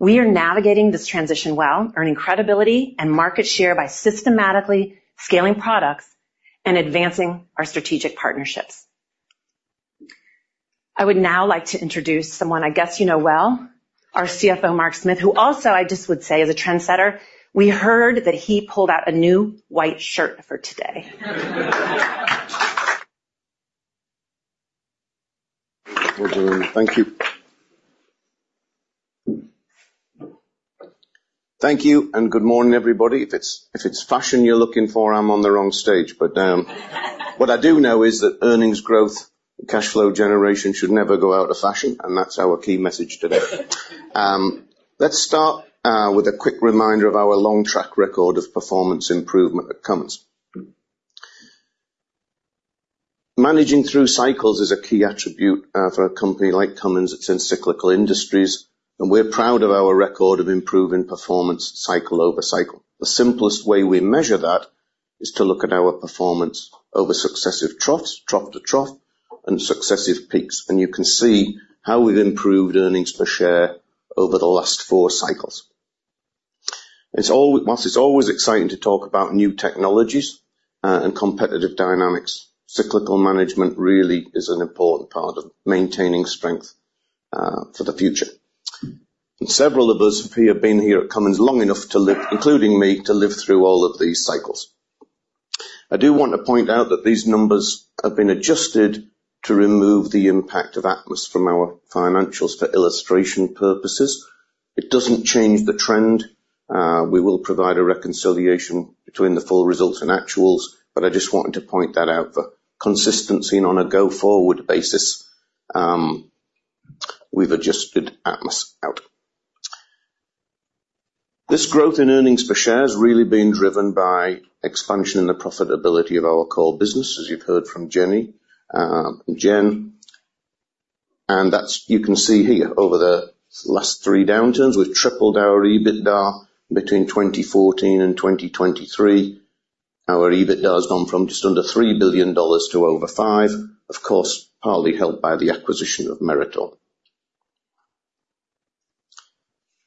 We are navigating this transition well, earning credibility and market share by systematically scaling products and advancing our strategic partnerships. I would now like to introduce someone I guess you know well, our CFO, Mark Smith, who also, I just would say, is a trendsetter. We heard that he pulled out a new white shirt for today. Thank you. Thank you, and good morning, everybody. If it's fashion you're looking for, I'm on the wrong stage, but what I do know is that earnings growth and cash flow generation should never go out of fashion, and that's our key message today. Let's start with a quick reminder of our long track record of performance improvement at Cummins. Managing through cycles is a key attribute for a company like Cummins that's in cyclical industries, and we're proud of our record of improving performance cycle over cycle. The simplest way we measure that is to look at our performance over successive troughs, trough to trough, and successive peaks, and you can see how we've improved earnings per share over the last four cycles. It's whilst it's always exciting to talk about new technologies, and competitive dynamics, cyclical management really is an important part of maintaining strength, for the future. And several of us here have been here at Cummins long enough to live, including me, to live through all of these cycles. I do want to point out that these numbers have been adjusted to remove the impact of Atmus from our financials for illustration purposes. It doesn't change the trend. We will provide a reconciliation between the full results and actuals, but I just wanted to point that out for consistency. And on a go-forward basis, we've adjusted Atmus out. This growth in earnings per share has really been driven by expansion in the profitability of our core business, as you've heard from Jenny, Jen, and that's. You can see here over the last three downturns, we've tripled our EBITDA between 2014 and 2023. Our EBITDA has gone from just under $3 billion to over $5 billion, of course, partly helped by the acquisition of Meritor.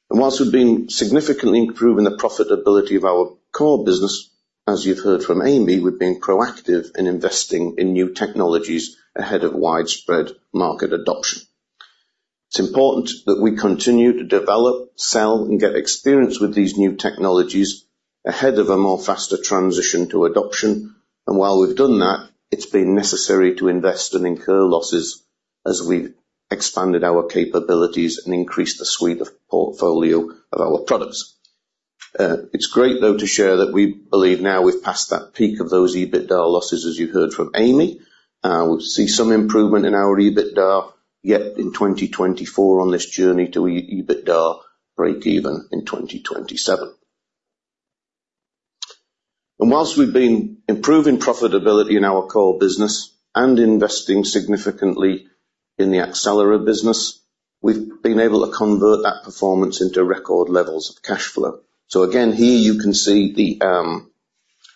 While we've been significantly improving the profitability of our core business, as you've heard from Amy, we've been proactive in investing in new technologies ahead of widespread market adoption. It's important that we continue to develop, sell, and get experience with these new technologies ahead of a more faster transition to adoption. And while we've done that, it's been necessary to invest and incur losses as we've expanded our capabilities and increased the suite of portfolio of our products. It's great, though, to share that we believe now we've passed that peak of those EBITDA losses, as you heard from Amy. We see some improvement in our EBITDA, yet in 2024 on this journey to EBITDA breakeven in 2027. And while we've been improving profitability in our core business and investing significantly in the Accelera business, we've been able to convert that performance into record levels of cash flow. So again, here you can see the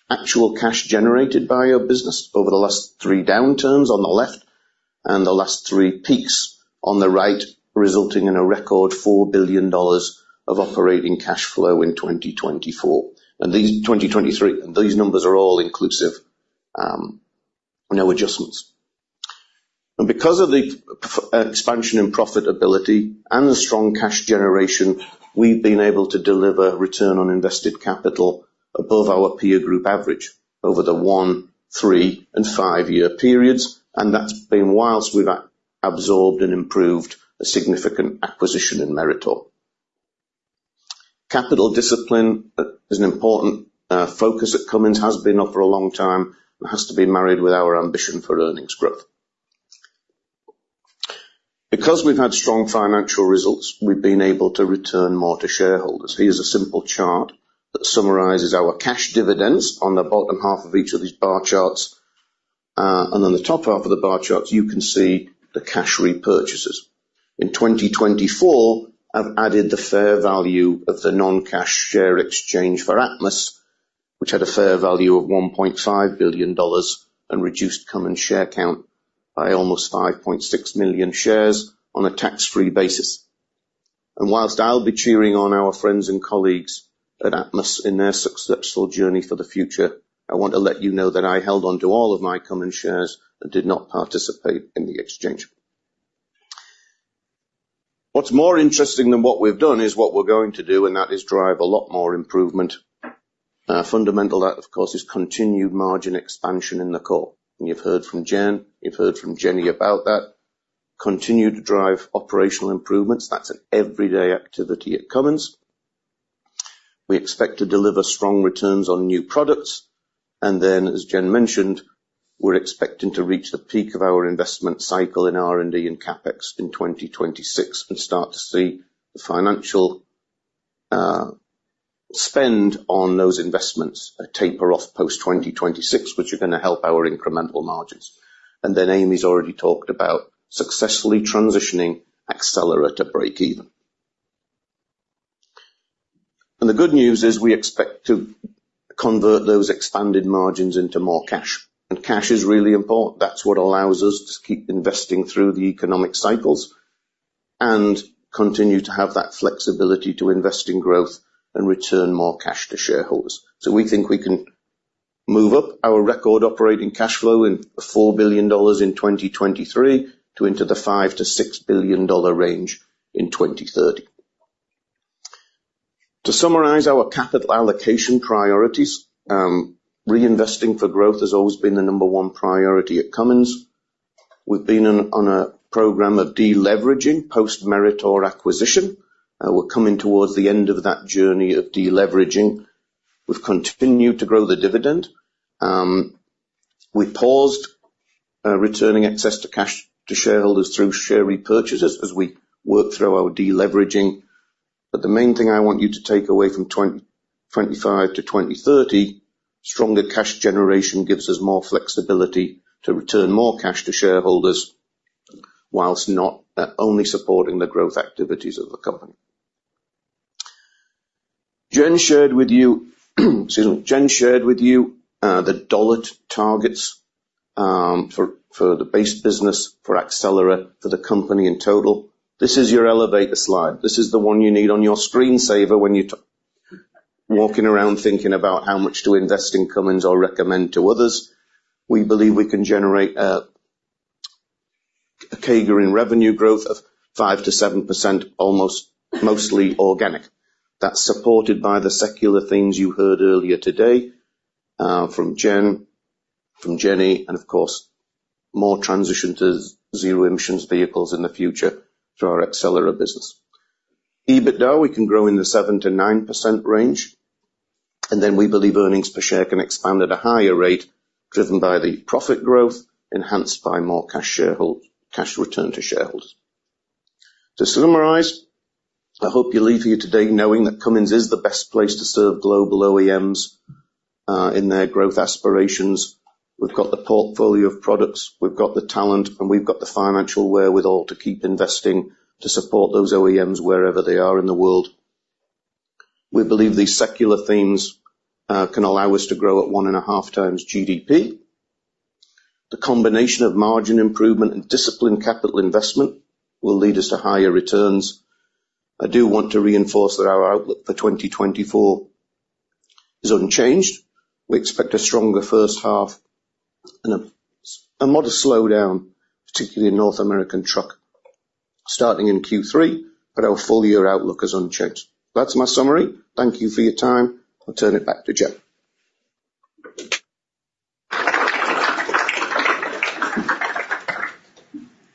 actual cash generated by our business over the last three downturns on the left and the last three peaks on the right, resulting in a record $4 billion of operating cash flow in 2024. And these 2023, these numbers are all inclusive, no adjustments. Because of the expansion in profitability and the strong cash generation, we've been able to deliver return on invested capital above our peer group average over the one, three, and five-year periods. And that's been whilst we've absorbed and improved a significant acquisition in Meritor. Capital discipline is an important focus at Cummins, has been now for a long time, and has to be married with our ambition for earnings growth. Because we've had strong financial results, we've been able to return more to shareholders. Here's a simple chart that summarizes our cash dividends on the bottom half of each of these bar charts. And on the top half of the bar charts, you can see the cash repurchases. In 2024, I've added the fair value of the non-cash share exchange for Atmus, which had a fair value of $1.5 billion, and reduced common share count by almost 5.6 million shares on a tax-free basis. While I'll be cheering on our friends and colleagues at Atmus in their successful journey for the future, I want to let you know that I held on to all of my common shares and did not participate in the exchange. What's more interesting than what we've done is what we're going to do, and that is drive a lot more improvement. Fundamentally, of course, is continued margin expansion in the core. You've heard from Jen, you've heard from Jenny about that. Continue to drive operational improvements. That's an everyday activity at Cummins. We expect to deliver strong returns on new products, and then, as Jen mentioned, we're expecting to reach the peak of our investment cycle in R&D and CapEx in 2026, and start to see the financial spend on those investments taper off post-2026, which are going to help our incremental margins. And then Amy's already talked about successfully transitioning Accelera to breakeven. And the good news is we expect to convert those expanded margins into more cash. And cash is really important. That's what allows us to keep investing through the economic cycles and continue to have that flexibility to invest in growth and return more cash to shareholders. So we think we can move up our record operating cash flow of $4 billion in 2023 to the $5 billion-$6 billion range in 2030. To summarize our capital allocation priorities, reinvesting for growth has always been the number one priority at Cummins. We've been on a program of deleveraging post-Meritor acquisition. We're coming towards the end of that journey of deleveraging. We've continued to grow the dividend. We paused returning excess cash to shareholders through share repurchases as we work through our deleveraging. But the main thing I want you to take away from 2025 to 2030, stronger cash generation gives us more flexibility to return more cash to shareholders, whilst not only supporting the growth activities of the company. Jen shared with you, excuse me. Jen shared with you the dollar targets for the base business, for Accelera, for the company in total. This is your elevator slide. This is the one you need on your screensaver when you're walking around thinking about how much to invest in Cummins or recommend to others. We believe we can generate a CAGR in revenue growth of 5%-7%, almost mostly organic. That's supported by the secular things you heard earlier today from Jen, from Jenny, and of course, more transition to zero emissions vehicles in the future through our Accelera business. EBITDA, we can grow in the 7%-9% range, and then we believe earnings per share can expand at a higher rate, driven by the profit growth, enhanced by more cash return to shareholders. To summarize, I hope you leave here today knowing that Cummins is the best place to serve global OEMs in their growth aspirations. We've got the portfolio of products, we've got the talent, and we've got the financial wherewithal to keep investing to support those OEMs wherever they are in the world. We believe these secular themes can allow us to grow at 1.5 times GDP. The combination of margin improvement and disciplined capital investment will lead us to higher returns. I do want to reinforce that our outlook for 2024 is unchanged. We expect a stronger first half and a modest slowdown, particularly in North American truck, starting in Q3, but our full-year outlook is unchanged. That's my summary. Thank you for your time. I'll turn it back to Jen.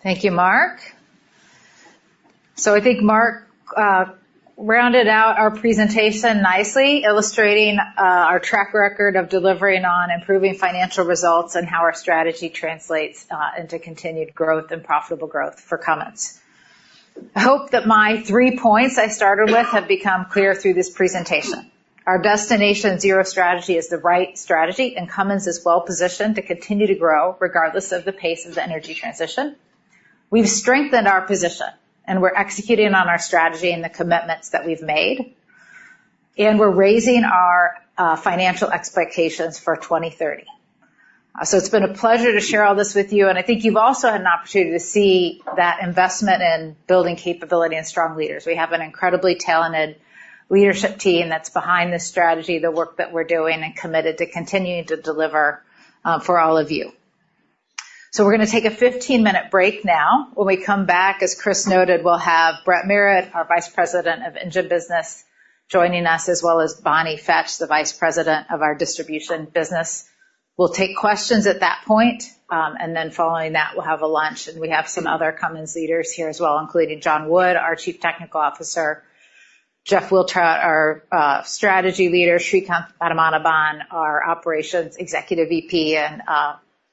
Thank you, Mark. So I think Mark rounded out our presentation nicely, illustrating our track record of delivering on improving financial results and how our strategy translates into continued growth and profitable growth for Cummins. I hope that my three points I started with have become clear through this presentation. Our Destination Zero strategy is the right strategy, and Cummins is well positioned to continue to grow regardless of the pace of the energy transition. We've strengthened our position, and we're executing on our strategy and the commitments that we've made, and we're raising our financial expectations for 2030. So it's been a pleasure to share all this with you, and I think you've also had an opportunity to see that investment in building capability and strong leaders. We have an incredibly talented leadership team that's behind this strategy, the work that we're doing, and committed to continuing to deliver for all of you. So we're gonna take a 15-minute break now. When we come back, as Chris noted, we'll have Brett Merritt, our Vice President of Engine Business, joining us, as well as Bonnie Fetch, the Vice President of our Distribution business. We'll take questions at that point, and then following that, we'll have a lunch, and we have some other Cummins leaders here as well, including John Wood, our Chief Technical Officer, Jeff Wiltrout, our strategy leader, Srikanth Padmanabhan, our operations executive VP, and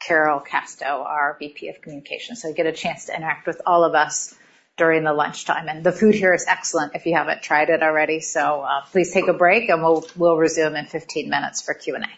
Carol Casto, our VP of Communications. So you get a chance to interact with all of us during the lunchtime, and the food here is excellent if you haven't tried it already. Please take a break, and we'll resume in 15 minutes for Q&A.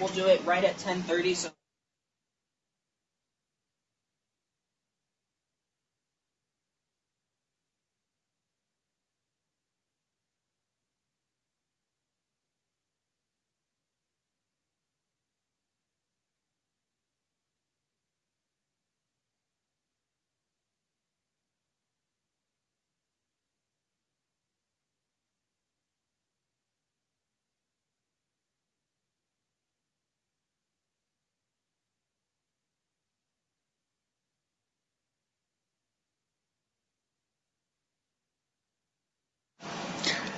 We'll do it right at 10:30,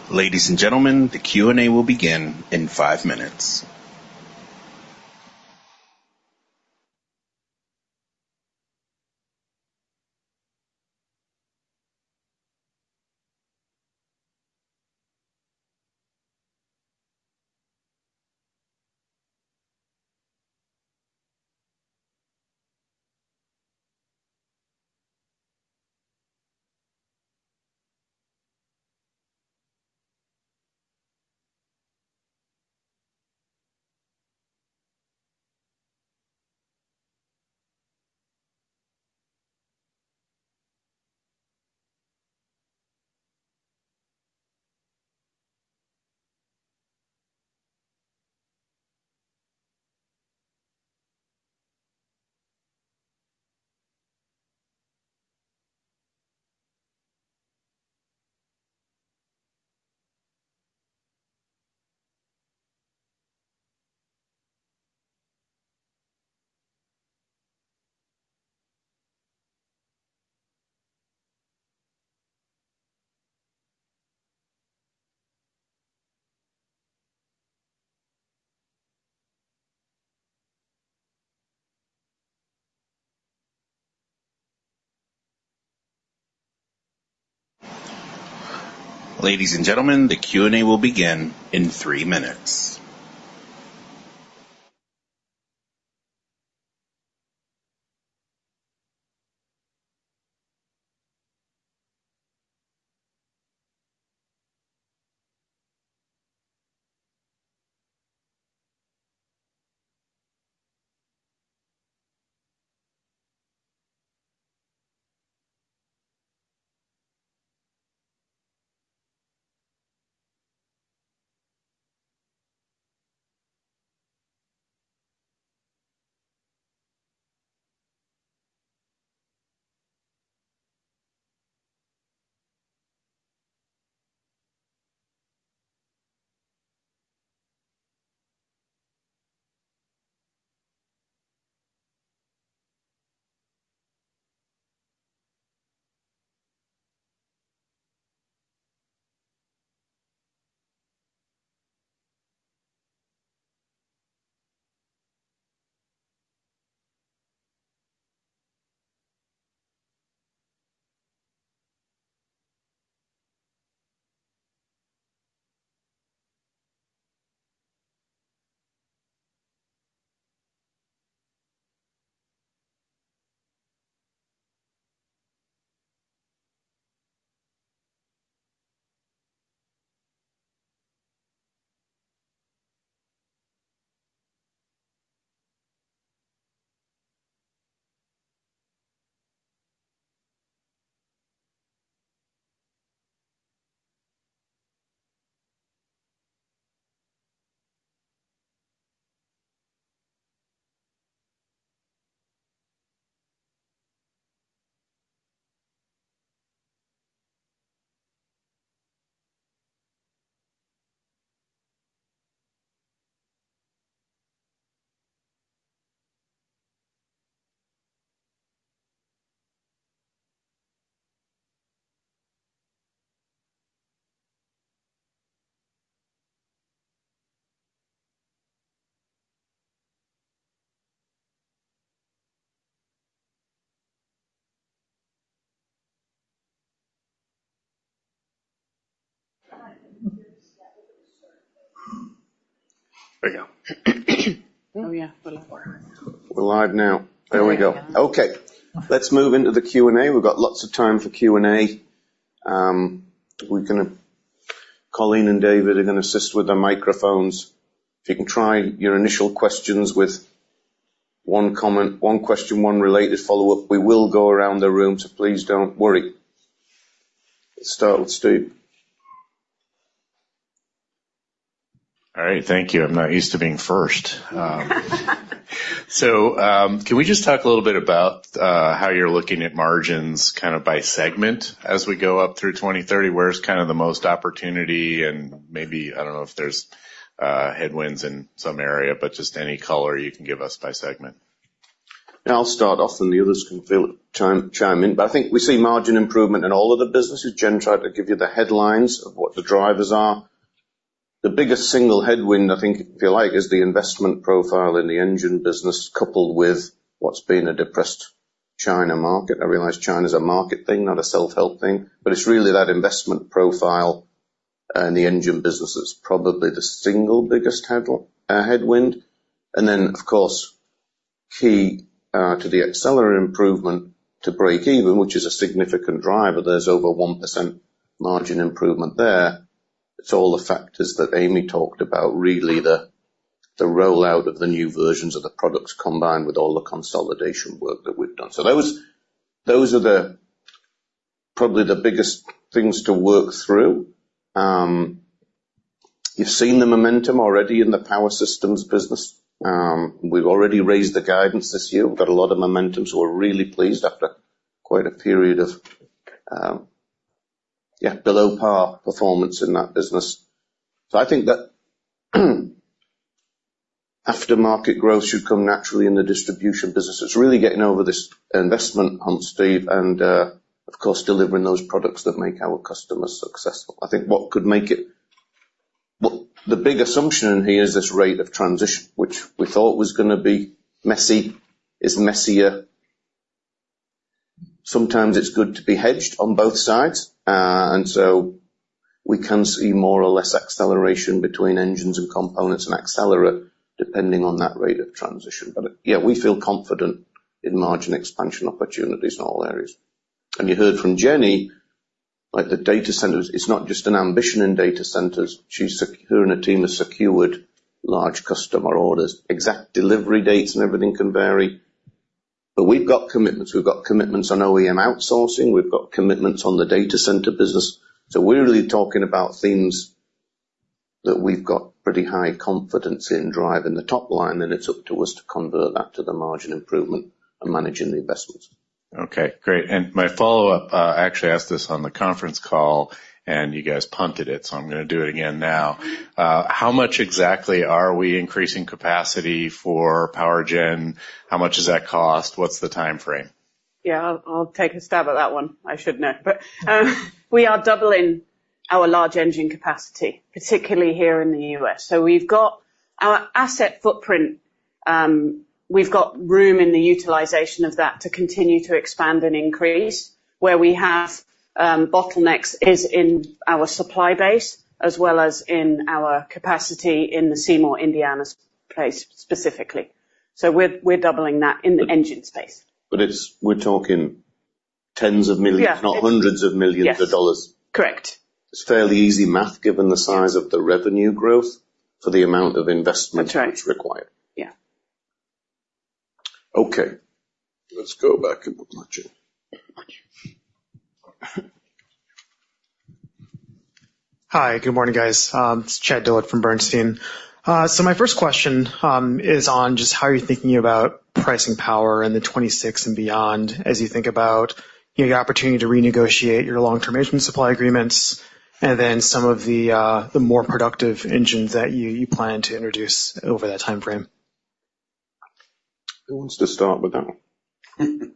so. Ladies and gentlemen, the Q&A will begin in five minutes. Ladies and gentlemen, the Q&A will begin in three minutes. Oh, yeah. We're live now. There we go. Okay, let's move into the Q&A. We've got lots of time for Q&A. Colleen and David are going to assist with the microphones. If you can try your initial questions with one comment, one question, one related follow-up. We will go around the room, so please don't worry. Let's start with Steve. All right. Thank you. I'm not used to being first. So, can we just talk a little bit about how you're looking at margins kind of by segment as we go up through 2030? Where is kind of the most opportunity and maybe, I don't know if there's headwinds in some area, but just any color you can give us by segment. Yeah, I'll start off, and the others can fill in, chime in. But I think we see margin improvement in all of the businesses. Jen tried to give you the headlines of what the drivers are. The biggest single headwind, I think, if you like, is the investment profile in the engine business, coupled with what's been a depressed China market. I realize China is a market thing, not a self-help thing, but it's really that investment profile in the engine business that's probably the single biggest headwind. And then, of course, key to the Accelera improvement to break even, which is a significant driver. There's over 1% margin improvement there. It's all the factors that Amy talked about, really, the rollout of the new versions of the products, combined with all the consolidation work that we've done. So those, those are probably the biggest things to work through. You've seen the momentum already in the Power Systems business. We've already raised the guidance this year. We've got a lot of momentum, so we're really pleased after quite a period of, yeah, below-par performance in that business. So I think that aftermarket growth should come naturally in the Distribution business. It's really getting over this investment hump, Steve, and, of course, delivering those products that make our customers successful. I think what could make it—well, the big assumption here is this rate of transition, which we thought was going to be messy, is messier. Sometimes it's good to be hedged on both sides, and so we can see more or less acceleration between engines and components and accelerate depending on that rate of transition. Yeah, we feel confident in margin expansion opportunities in all areas. And you heard from Jenny, like, the data centers, it's not just an ambition in data centers. She and her team have secured large customer orders. Exact delivery dates and everything can vary, but we've got commitments. We've got commitments on OEM outsourcing. We've got commitments on the data center business. So we're really talking about things that we've got pretty high confidence in driving the top line, and it's up to us to convert that to the margin improvement and managing the investments. Okay, great. And my follow-up, I actually asked this on the conference call, and you guys punted it, so I'm going to do it again now. How much exactly are we increasing capacity for PowerGen? How much does that cost? What's the timeframe? Yeah, I'll take a stab at that one. I should know. But, we are doubling our large engine capacity, particularly here in the U.S. So we've got our asset footprint, we've got room in the utilization of that to continue to expand and increase. Where we have bottlenecks is in our supply base, as well as in our capacity in the Seymour, Indiana, place specifically. So we're doubling that in the engine space. But we're talking tens of millions. Not hundreds of millions of dollars. Yes. Correct. It's fairly easy math, given the size of the revenue growth, for the amount of investment that's required. Yeah. Okay, let's go back and watch it. Hi, good morning, guys. It's Chad Dillard from Bernstein. So my first question is on just how you're thinking about pricing power in the 2026 and beyond, as you think about your opportunity to renegotiate your long-term agent supply agreements, and then some of the, the more productive engines that you, you plan to introduce over that timeframe. Who wants to start with that one?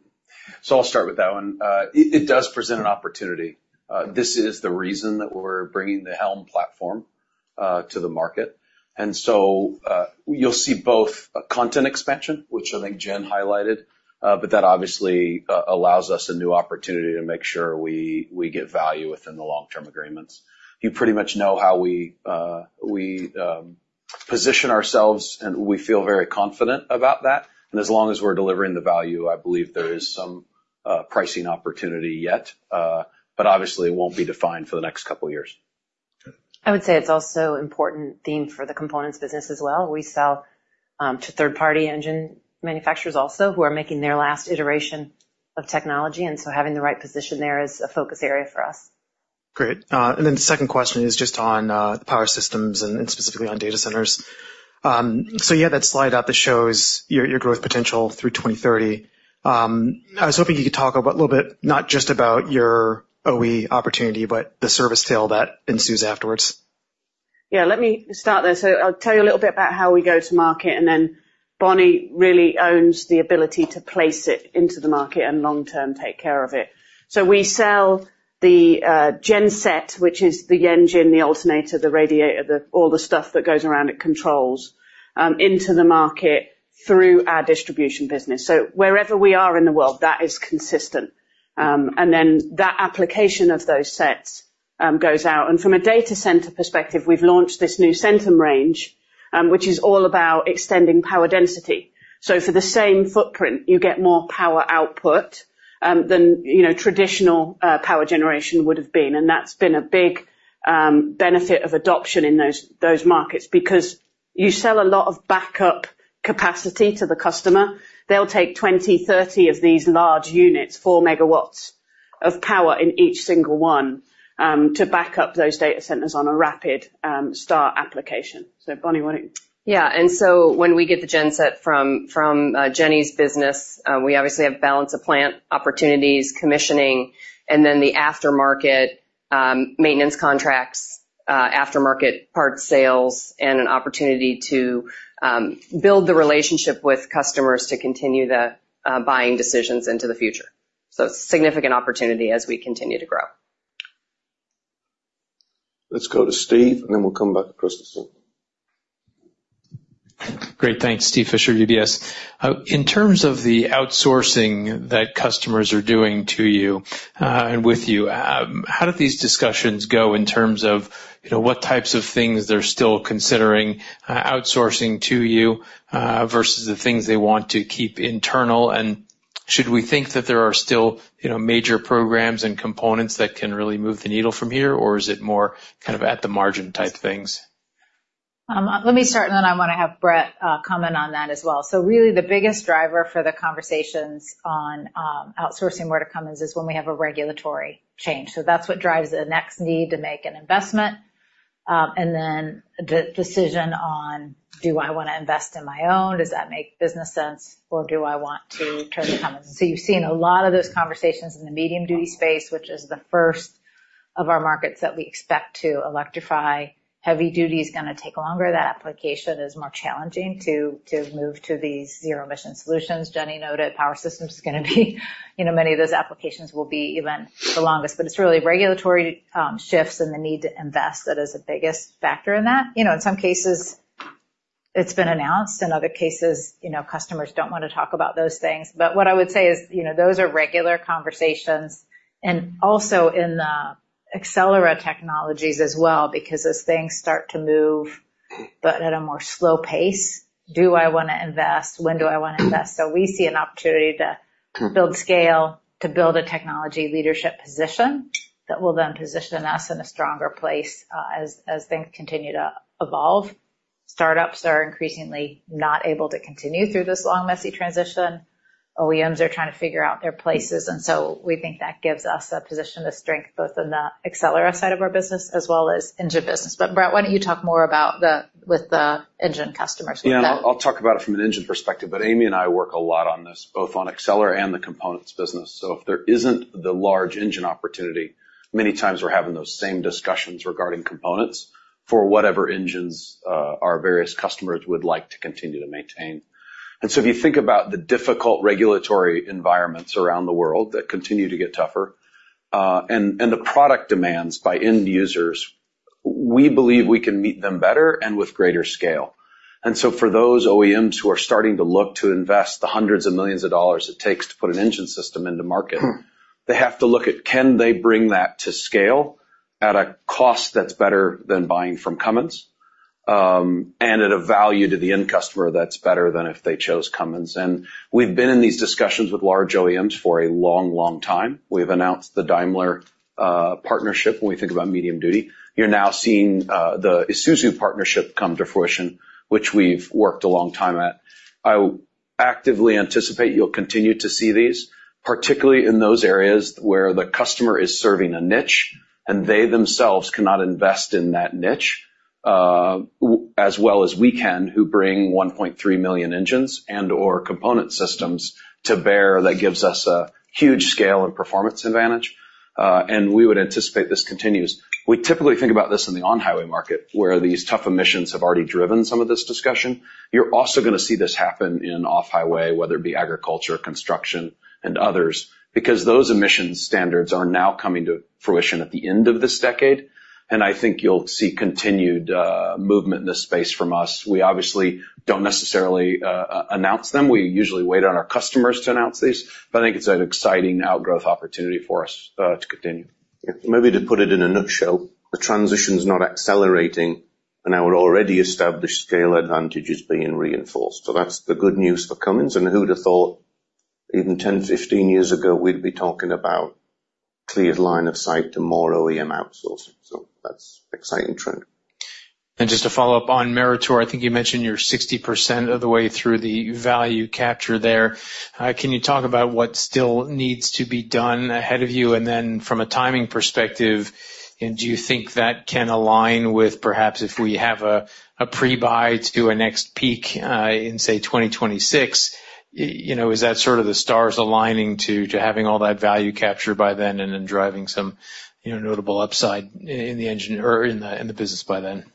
So I'll start with that one. It does present an opportunity. This is the reason that we're bringing the HELM platform to the market. And so, you'll see both a content expansion, which I think Jen highlighted, but that obviously allows us a new opportunity to make sure we get value within the long-term agreements. You pretty much know how we position ourselves, and we feel very confident about that. And as long as we're delivering the value, I believe there is some pricing opportunity yet, but obviously, it won't be defined for the next couple of years. Okay. I would say it's also important theme for the Components Business as well. We sell to third-party engine manufacturers also, who are making their last iteration of technology, and so having the right position there is a focus area for us. Great. And then the second question is just on the Power Systems and specifically on data centers. So you had that slide up that shows your growth potential through 2030. I was hoping you could talk about a little bit, not just about your OE opportunity, but the service tail that ensues afterwards. Yeah, let me start there. So I'll tell you a little bit about how we go to market, and then Bonnie really owns the ability to place it into the market and long-term take care of it. So we sell the genset, which is the engine, the alternator, the radiator, all the stuff that goes around it, controls, into the market through our Distribution business. So wherever we are in the world, that is consistent. And then that application of those sets goes out. And from a data center perspective, we've launched this new Centum range, which is all about extending power density. So for the same footprint, you get more power output than, you know, traditional power generation would have been. That's been a big benefit of adoption in those, those markets, because you sell a lot of backup capacity to the customer. They'll take 20, 30 of these large units, 4 MW of power in each single one, to back up those data centers on a rapid start application. Bonnie, why don't you? Yeah. And so when we get the genset from Jenny's business, we obviously have balance of plant opportunities, commissioning, and then the aftermarket maintenance contracts, aftermarket parts sales, and an opportunity to build the relationship with customers to continue the buying decisions into the future. So significant opportunity as we continue to grow. Let's go to Steve, and then we'll come back to Christine. Great, thanks. Steve Fisher, UBS. In terms of the outsourcing that customers are doing to you, and with you, how do these discussions go in terms of, you know, what types of things they're still considering outsourcing to you, versus the things they want to keep internal? Should we think that there are still, you know, major programs and components that can really move the needle from here, or is it more kind of at the margin type things? Let me start, and then I want to have Brett comment on that as well. So really, the biggest driver for the conversations on outsourcing more to Cummins is when we have a regulatory change. So that's what drives the next need to make an investment, and then the decision on, do I want to invest in my own? Does that make business sense, or do I want to try to come in? So you've seen a lot of those conversations in the medium-duty space, which is the first of our markets that we expect to electrify. Heavy-duty is going to take longer. That application is more challenging to move to these zero-emission solutions. Jenny noted Power Systems is going to be, you know, many of those applications will be even the longest, but it's really regulatory shifts and the need to invest that is the biggest factor in that. You know, in some cases, it's been announced, in other cases, you know, customers don't want to talk about those things. But what I would say is, you know, those are regular conversations and also in the Accelera technologies as well, because as things start to move, but at a more slow pace, do I want to invest? When do I want to invest? So we see an opportunity to build scale, to build a technology leadership position that will then position us in a stronger place, as things continue to evolve. Startups are increasingly not able to continue through this long, messy transition. OEMs are trying to figure out their places, and so we think that gives us a position of strength, both in the Accelera side of our business as well as engine business. But, Brett, why don't you talk more about with the engine customers with that? Yeah. I'll talk about it from an engine perspective, but Amy and I work a lot on this, both on Accelera and the Components Business. So if there isn't the large engine opportunity, many times we're having those same discussions regarding components for whatever engines our various customers would like to continue to maintain. And so if you think about the difficult regulatory environments around the world that continue to get tougher, and the product demands by end users, we believe we can meet them better and with greater scale. And so for those OEMs who are starting to look to invest the hundreds of millions of dollars it takes to put an engine system into market, they have to look at, can they bring that to scale at a cost that's better than buying from Cummins, and at a value to the end customer that's better than if they chose Cummins. And we've been in these discussions with large OEMs for a long, long time. We've announced the Daimler partnership when we think about medium duty. You're now seeing the Isuzu partnership come to fruition, which we've worked a long time at. I actively anticipate you'll continue to see these, particularly in those areas where the customer is serving a niche, and they themselves cannot invest in that niche as well as we can, who bring 1.3 million engines and or component systems to bear. That gives us a huge scale and performance advantage, and we would anticipate this continues. We typically think about this in the on-highway market, where these tough emissions have already driven some of this discussion. You're also going to see this happen in off-highway, whether it be agriculture, construction, and others, because those emission standards are now coming to fruition at the end of this decade, and I think you'll see continued movement in this space from us. We obviously don't necessarily announce them. We usually wait on our customers to announce these, but I think it's an exciting outgrowth opportunity for us, to continue. Maybe to put it in a nutshell, the transition is not accelerating, and our already established scale advantage is being reinforced. So that's the good news for Cummins, and who'd have thought even 10, 15 years ago, we'd be talking about clear line of sight to more OEM outsourcing? So that's exciting trend. Just to follow up on Meritor, I think you mentioned you're 60% of the way through the value capture there. Can you talk about what still needs to be done ahead of you? And then from a timing perspective, do you think that can align with perhaps if we have a pre-buy to a next peak in, say, 2026, you know, is that sort of the stars aligning to having all that value captured by then and then driving some, you know, notable upside in the engine or in the business by then?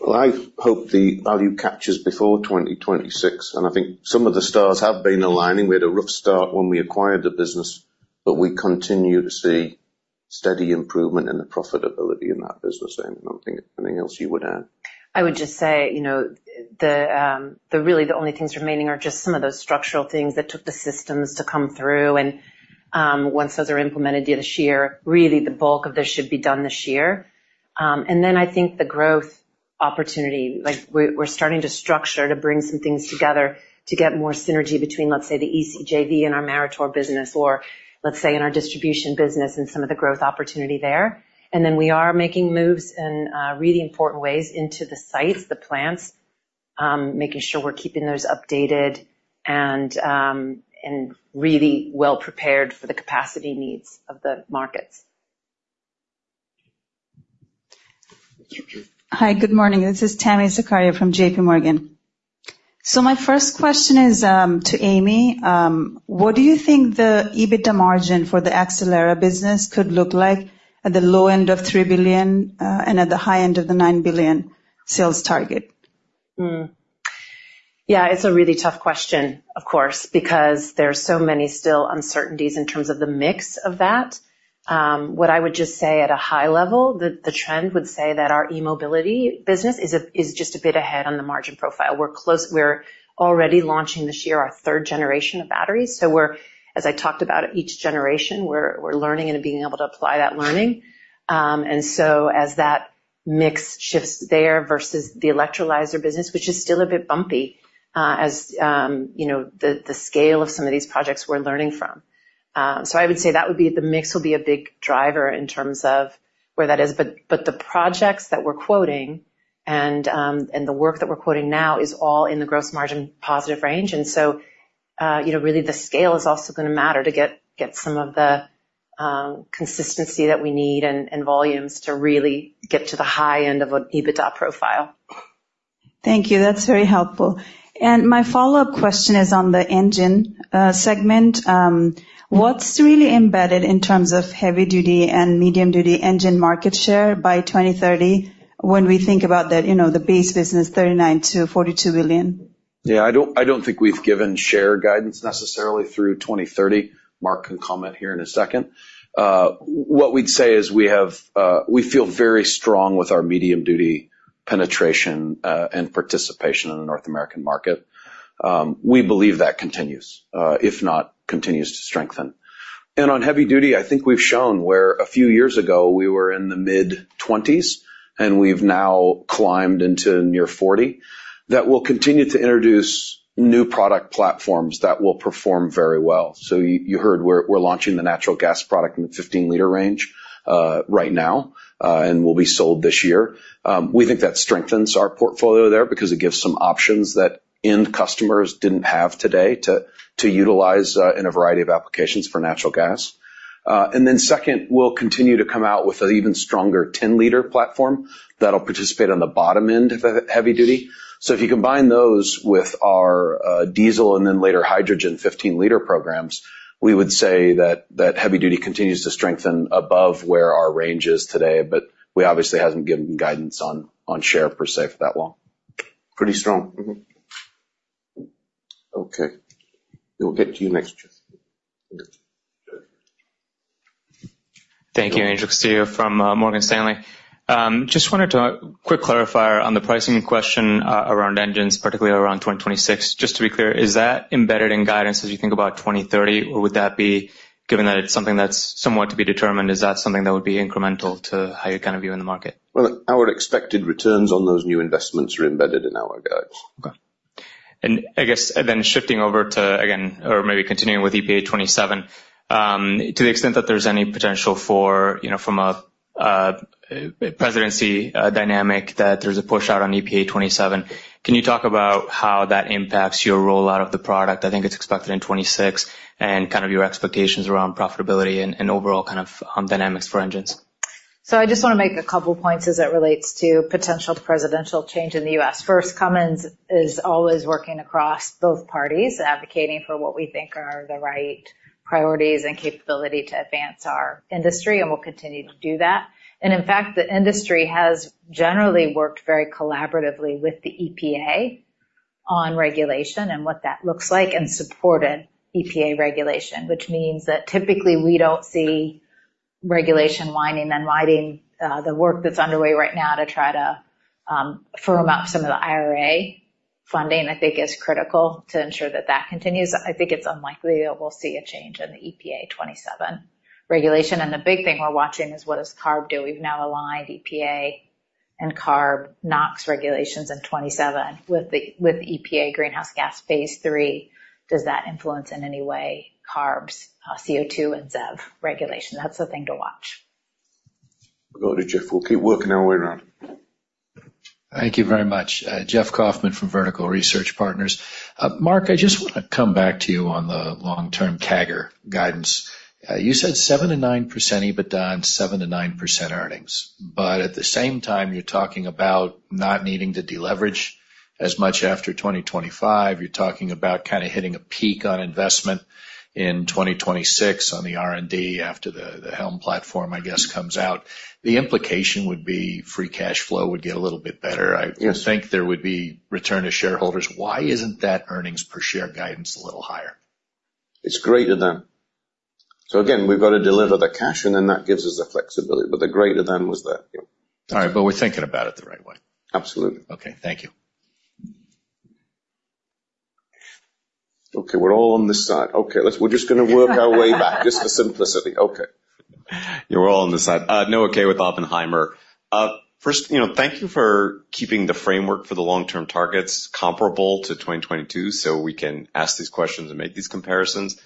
Well, I hope the value captures before 2026, and I think some of the stars have been aligning. We had a rough start when we acquired the business, but we continue to see steady improvement in the profitability in that business. Amy, anything, anything else you would add? I would just say, you know, really, the only things remaining are just some of those structural things that took the systems to come through. And, once those are implemented this year, really, the bulk of this should be done this year. And then I think the growth opportunity, like, we're starting to structure to bring some things together to get more synergy between, let's say, the ECJV and our Meritor business, or let's say in our Distribution business and some of the growth opportunity there. And then we are making moves in really important ways into the sites, the plants, making sure we're keeping those updated and really well prepared for the capacity needs of the markets. Hi, good morning. This is Tami Zakaria from JPMorgan. So my first question is to Amy. What do you think the EBITDA margin for the Accelera business could look like at the low end of $3 billion and at the high end of the $9 billion sales target? Yeah, it's a really tough question, of course, because there are so many still uncertainties in terms of the mix of that. What I would just say at a high level, the trend would say that our e-mobility business is just a bit ahead on the margin profile. We're close-- We're already launching this year our third generation of batteries, so we're, as I talked about, each generation, we're learning and being able to apply that learning. And so as that mix shifts there versus the electrolyzer business, which is still a bit bumpy, as you know, the scale of some of these projects we're learning from. So I would say that would be the mix will be a big driver in terms of where that is. But the projects that we're quoting and, and the work that we're quoting now is all in the gross margin positive range. And so, you know, really, the scale is also gonna matter to get some of the consistency that we need and volumes to really get to the high end of an EBITDA profile. Thank you. That's very helpful. My follow-up question is on the engine segment. What's really embedded in terms of heavy-duty and medium-duty engine market share by 2030 when we think about that, you know, the base business, $39 billion-$42 billion? Yeah, I don't think we've given share guidance necessarily through 2030. Mark can comment here in a second. What we'd say is we have, we feel very strong with our medium-duty penetration and participation in the North American market. We believe that continues, if not, continues to strengthen. And on heavy duty, I think we've shown where a few years ago, we were in the mid-20s, and we've now climbed into near 40, that we'll continue to introduce new product platforms that will perform very well. So you heard we're launching the natural gas product in the 15-liter range right now, and will be sold this year. We think that strengthens our portfolio there because it gives some options that end customers didn't have today to utilize in a variety of applications for natural gas. And then second, we'll continue to come out with an even stronger 10-liter platform that'll participate on the bottom end of the heavy duty. So if you combine those with our diesel and then later, hydrogen 15-liter programs, we would say that that heavy duty continues to strengthen above where our range is today, but we obviously hasn't given guidance on, on share per se for that long. Pretty strong. Okay. We'll get to you next. Okay. Thank you. Angel Castillo from Morgan Stanley. Just wanted to quick clarifier on the pricing question around engines, particularly around 2026. Just to be clear, is that embedded in guidance as you think about 2030, or would that be, given that it's something that's somewhat to be determined, is that something that would be incremental to how you kind of view in the market? Well, our expected returns on those new investments are embedded in our guidance. Okay. And I guess then shifting over to, again, or maybe continuing with EPA 2027, to the extent that there's any potential for, you know, from a, a presidency dynamic, that there's a push out on EPA 2027, can you talk about how that impacts your rollout of the product? I think it's expected in 2026, and kind of your expectations around profitability and, and overall kind of, dynamics for engines. So I just wanna make a couple points as it relates to potential presidential change in the U.S. First, Cummins is always working across both parties, advocating for what we think are the right priorities and capability to advance our industry, and we'll continue to do that. And in fact, the industry has generally worked very collaboratively with the EPA on regulation and what that looks like, and supported EPA regulation, which means that typically we don't see regulation winding and winding. The work that's underway right now to try to firm up some of the IRA funding, I think, is critical to ensure that that continues. I think it's unlikely that we'll see a change in the EPA 2027 regulation. And the big thing we're watching is what does CARB do? We've now aligned EPA and CARB NOx regulations in 2027 with the EPA Greenhouse Gas Phase III. Does that influence in any way CARB's CO2 and ZEV regulation? That's the thing to watch. Go to Jeff. We'll keep working our way around. Thank you very much. Jeff Kauffman from Vertical Research Partners. Mark, I just want to come back to you on the long-term CAGR guidance. You said 7%-9% EBITDA and 7%-9% earnings. But at the same time, you're talking about not needing to deleverage as much after 2025. You're talking about kinda hitting a peak on investment in 2026 on the R&D after the HELM platform, I guess, comes out. The implication would be free cash flow would get a little bit better. Yes. I would think there would be return to shareholders. Why isn't that earnings per share guidance a little higher? It's greater than. So again, we've got to deliver the cash, and then that gives us the flexibility. But the greater than was there. Yeah. All right, but we're thinking about it the right way. Absolutely. Okay. Thank you. Okay, we're all on this side. Okay, we're just gonna work our way back, just for simplicity. Okay. You're all on this side. Noah Kaye with Oppenheimer. First, you know, thank you for keeping the framework for the long-term targets comparable to 2022 so we can ask these questions and make these comparisons.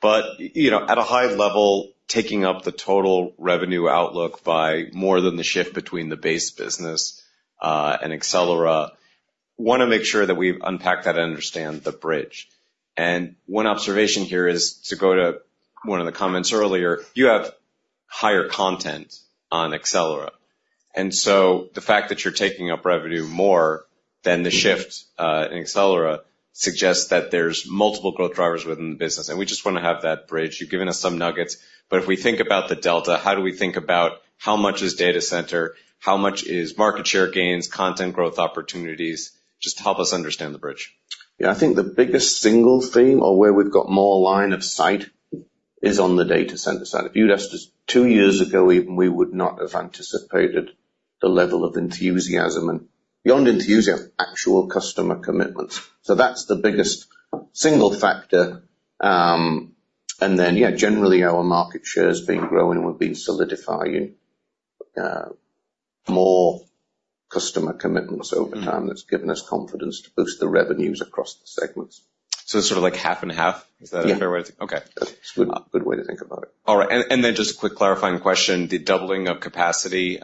But, you know, at a high level, taking up the total revenue outlook by more than the shift between the base business and Accelera. Want to make sure that we've unpacked that and understand the bridge. And one observation here is, to go to one of the comments earlier, you have higher content on Accelera, and so the fact that you're taking up revenue more than the shift in Accelera suggests that there's multiple growth drivers within the business, and we just want to have that bridge. You've given us some nuggets, but if we think about the delta, how do we think about how much is data center, how much is market share gains, content growth opportunities? Just help us understand the bridge. Yeah, I think the biggest single thing or where we've got more line of sight, is on the data center side. If you'd asked us two years ago even, we would not have anticipated the level of enthusiasm, and beyond enthusiasm, actual customer commitment. So that's the biggest single factor. And then, yeah, generally, our market share has been growing. We've been solidifying more customer commitments over time. That's given us confidence to boost the revenues across the segments. So it's sort of like half and half? Yeah. Is that a fair way to-- Okay. Good, good way to think about it. All right, and, and then just a quick clarifying question: the doubling of capacity,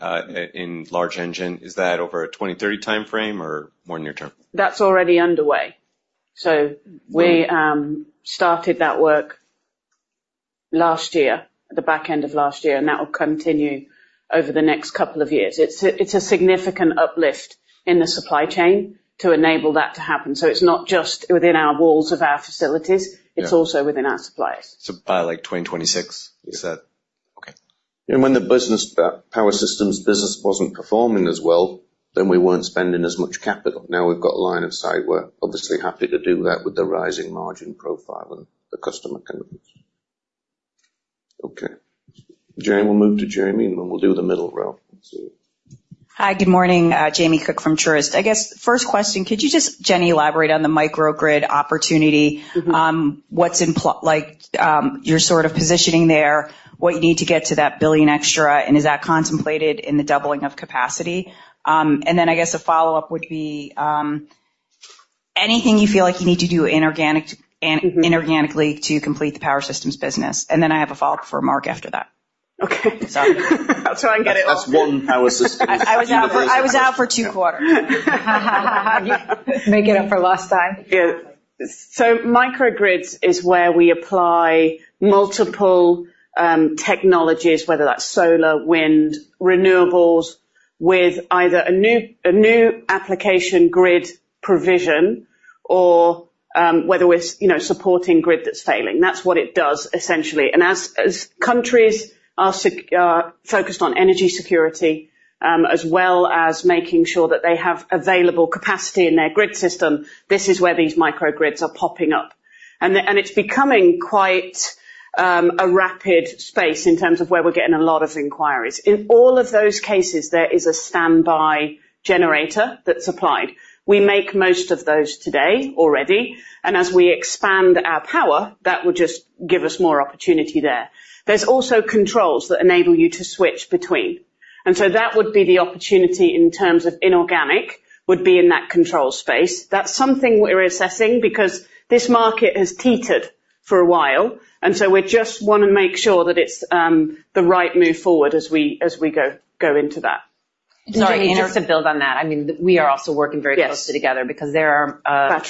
in large engine, is that over a 2030 timeframe or more near term? That's already underway. So we started that work last year, at the back end of last year, and that will continue over the next couple of years. It's a significant uplift in the supply chain to enable that to happen. So it's not just within our walls of our facilities-It's also within our suppliers. So by, like, 2026, is that--Okay. When the business, Power Systems business wasn't performing as well, then we weren't spending as much capital. Now we've got line of sight, we're obviously happy to do that with the rising margin profile and the customer commitment. Okay. Jamie, we'll move to Jamie, and then we'll do the middle row. Let's see. Hi, good morning. Jamie Cook from Truist. I guess, first question, could you just, Jenny, elaborate on the microgrid opportunity? What's implied—like, you're sort of positioning there, what you need to get to that $1 billion extra, and is that contemplated in the doubling of capacity? And then I guess a follow-up would be, anything you feel like you need to do inorganic and inorganically to complete the Power Systems business? And then I have a follow-up for Mark after that. Okay. I'll try and get it all. That's one Power Systems. I was out for two quarters. Make it up for lost time. Yeah. So microgrids is where we apply multiple technologies, whether that's solar, wind, renewables, with either a new application grid provision or whether it's, you know, supporting grid that's failing. That's what it does, essentially. And as countries are focused on energy security, as well as making sure that they have available capacity in their grid system, this is where these microgrids are popping up. And it's becoming quite a rapid space in terms of where we're getting a lot of inquiries. In all of those cases, there is a standby generator that's applied. We make most of those today already, and as we expand our power, that will just give us more opportunity there. There's also controls that enable you to switch between. So that would be the opportunity in terms of inorganic in that control space. That's something we're assessing because this market has teetered for a while, and so we just want to make sure that it's the right move forward as we go into that. Sorry, just to build on that, I mean, we are also working very closely together because there are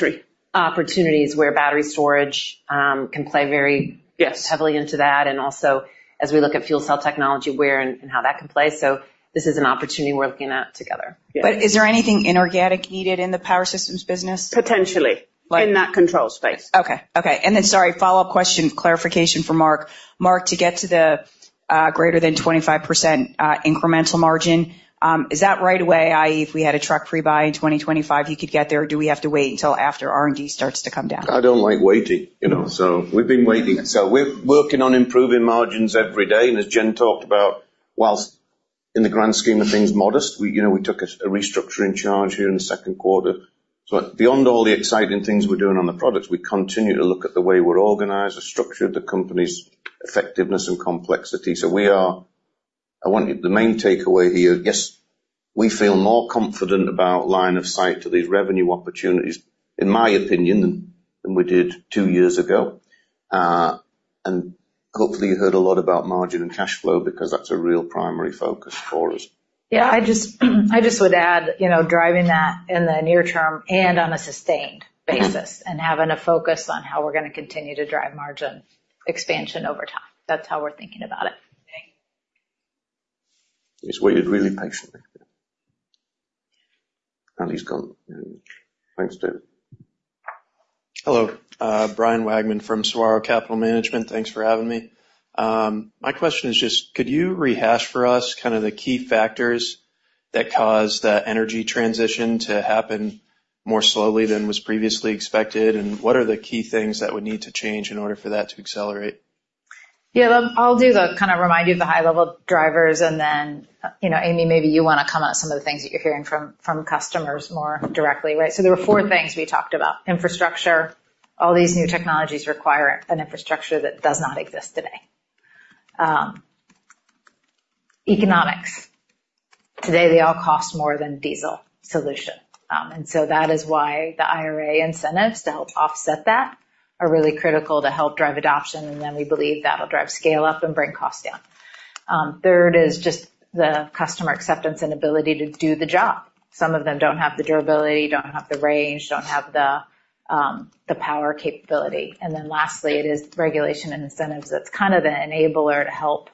opportunities where battery storage can play very heavily into that, and also, as we look at fuel cell technology, where and, and how that can play. So this is an opportunity we're looking at together. But is there anything inorganic needed in the Power Systems business? Potentially. In that control space. Okay, and then, sorry, follow-up question, clarification for Mark. Mark, to get to the greater than 25% incremental margin, is that right away? i.e., if we had a truck pre-buy in 2025, you could get there, or do we have to wait until after R&D starts to come down? I don't like waiting, you know, so we've been waiting. So we're working on improving margins every day. And as Jen talked about, while in the grand scheme of things, modest, we, you know, we took a restructuring charge here in the second quarter. So beyond all the exciting things we're doing on the products, we continue to look at the way we're organized, the structure of the company's effectiveness and complexity. So we are—I want you—the main takeaway here, yes, we feel more confident about line of sight to these revenue opportunities, in my opinion, than, than we did two years ago. And hopefully, you heard a lot about margin and cash flow because that's a real primary focus for us. Yeah, I just would add, you know, driving that in the near term and on a sustained basis. Having a focus on how we're gonna continue to drive margin expansion over time. That's how we're thinking about it. Okay. He's waited really patiently. And he's gone. Thanks, David. Hello, Bryan Wagman from Saguaro Capital Management. Thanks for having me. My question is just, could you rehash for us kind of the key factors that caused the energy transition to happen more slowly than was previously expected? And what are the key things that would need to change in order for that to accelerate? Yeah, I'll do the kind of remind you of the high-level drivers, and then, you know, Amy, maybe you want to comment on some of the things that you're hearing from, from customers more directly, right? So there were four things we talked about. Infrastructure, all these new technologies require an infrastructure that does not exist today. Economics. Today, they all cost more than diesel solution. And so that is why the IRA incentives to help offset that are really critical to help drive adoption, and then we believe that'll drive scale up and bring costs down. Third is just the customer acceptance and ability to do the job. Some of them don't have the durability, don't have the range, don't have the, the power capability. And then lastly, it is regulation and incentives. That's kind of the enabler to help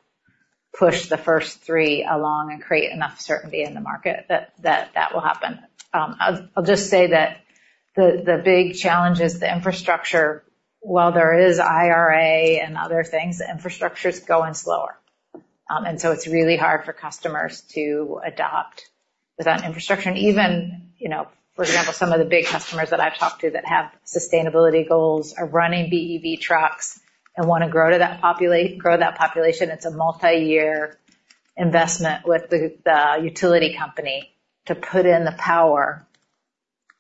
push the first three along and create enough certainty in the market that that will happen. I'll just say that the big challenge is the infrastructure. While there is IRA and other things, the infrastructure is going slower. And so it's really hard for customers to adopt without infrastructure. And even, you know, for example, some of the big customers that I've talked to that have sustainability goals are running BEV trucks and want to grow that population. It's a multi-year investment with the utility company to put in the power.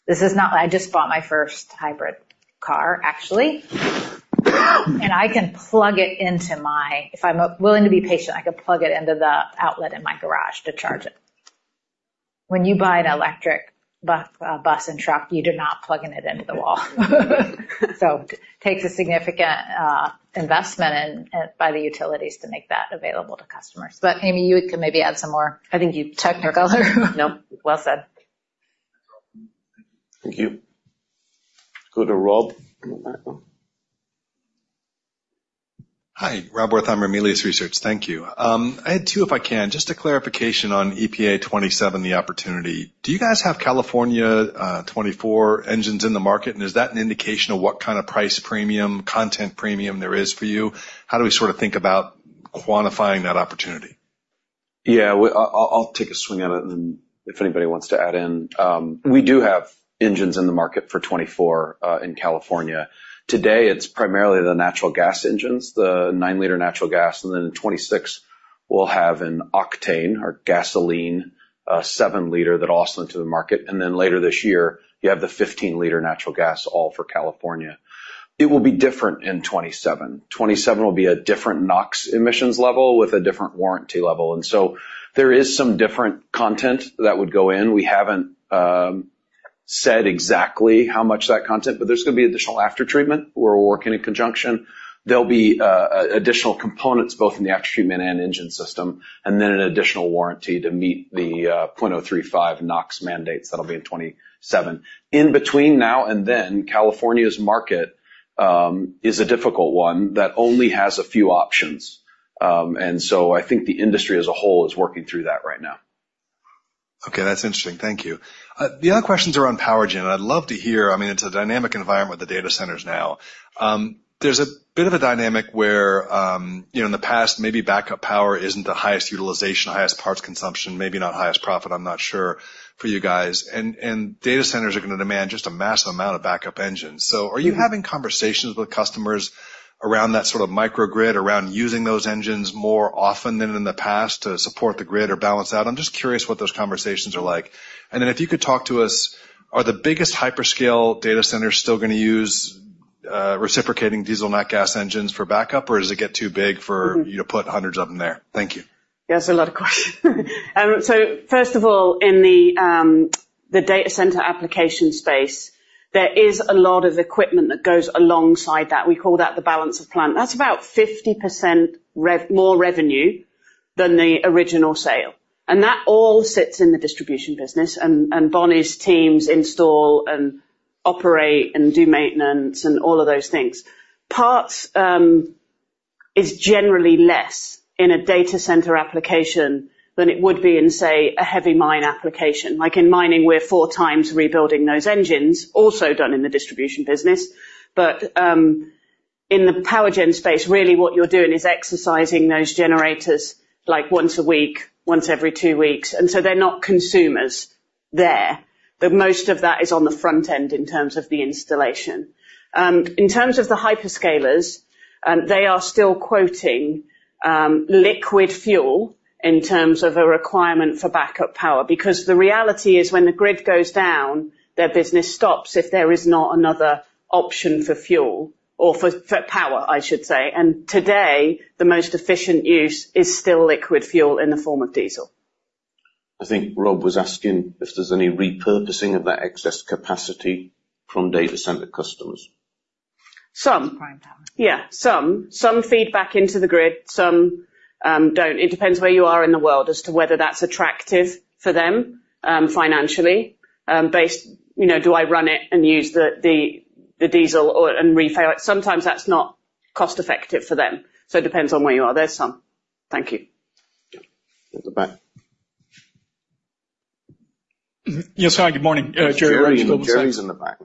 This is not - I just bought my first hybrid car, actually, and I can plug it into my--If I'm willing to be patient, I could plug it into the outlet in my garage to charge it. When you buy an electric bus and truck, you do not plug in it into the wall. So it takes a significant investment in, by the utilities to make that available to customers. But, Amy, you can maybe add some more. I think you checked your color. No, well said. Thank you. Go to Rob. Hi, Rob Wertheimer, Melius Research. Thank you. I had two, if I can. Just a clarification on EPA 2027, the opportunity. Do you guys have California 2024 engines in the market? And is that an indication of what kind of price premium, content premium there is for you? How do we sort of think about quantifying that opportunity? Yeah, well, I'll take a swing at it, and then if anybody wants to add in. We do have engines in the market for 2024, in California. Today, it's primarily the natural gas engines, the 9-liter natural gas, and then in 2026, we'll have an octane or gasoline 7-liter that also into the market, and then later this year, you have the 15-liter natural gas, all for California. It will be different in 2027. 2027 will be a different NOx emissions level with a different warranty level, and so there is some different content that would go in. We haven't said exactly how much that content, but there's going to be additional aftertreatment. We're working in conjunction. There'll be additional components, both in the aftertreatment and engine system, and then an additional warranty to meet the 0.035 NOx mandates that'll be in 2027. In between now and then, California's market is a difficult one that only has a few options. And so I think the industry as a whole is working through that right now. Okay, that's interesting. Thank you. The other questions are on power gen. I'd love to hear, I mean, it's a dynamic environment, the data centers now. There's a bit of a dynamic where, you know, in the past, maybe backup power isn't the highest utilization, highest parts consumption, maybe not highest profit, I'm not sure, for you guys. And data centers are going to demand just a massive amount of backup engines. So are you having conversations with customers around that sort of microgrid, around using those engines more often than in the past to support the grid or balance out? I'm just curious what those conversations are like. If you could talk to us, are the biggest hyperscale data centers still going to use reciprocating diesel, not gas, engines for backup, or does it get too big for you to put hundreds of them there? Thank you. Yeah, that's a lot of questions. So first of all, in the data center application space, there is a lot of equipment that goes alongside that. We call that the balance of plant. That's about 50% more revenue than the original sale, and that all sits in the Distribution business, and Bonnie's teams install and operate and do maintenance and all of those things. Parts is generally less in a data center application than it would be in, say, a heavy mine application. Like in mining, we're 4x rebuilding those engines, also done in the Distribution business. But in the power gen space, really what you're doing is exercising those generators like once a week, once every two weeks, and so they're not consumers there. But most of that is on the front end in terms of the installation. In terms of the hyperscalers, they are still quoting liquid fuel in terms of a requirement for backup power, because the reality is when the grid goes down, their business stops if there is not another option for fuel or for, for power, I should say. And today, the most efficient use is still liquid fuel in the form of diesel. I think Rob was asking if there's any repurposing of that excess capacity from data center customers. Some. Prime power. Yeah, some. Some feed back into the grid, some don't. It depends where you are in the world as to whether that's attractive for them, financially, based, you know, do I run it and use the diesel or, and refill it? Sometimes that's not cost-effective for them, so it depends on where you are. There's some. Thank you. At the back. Yes. Hi, good morning. Jerry-- Jerry's in the back.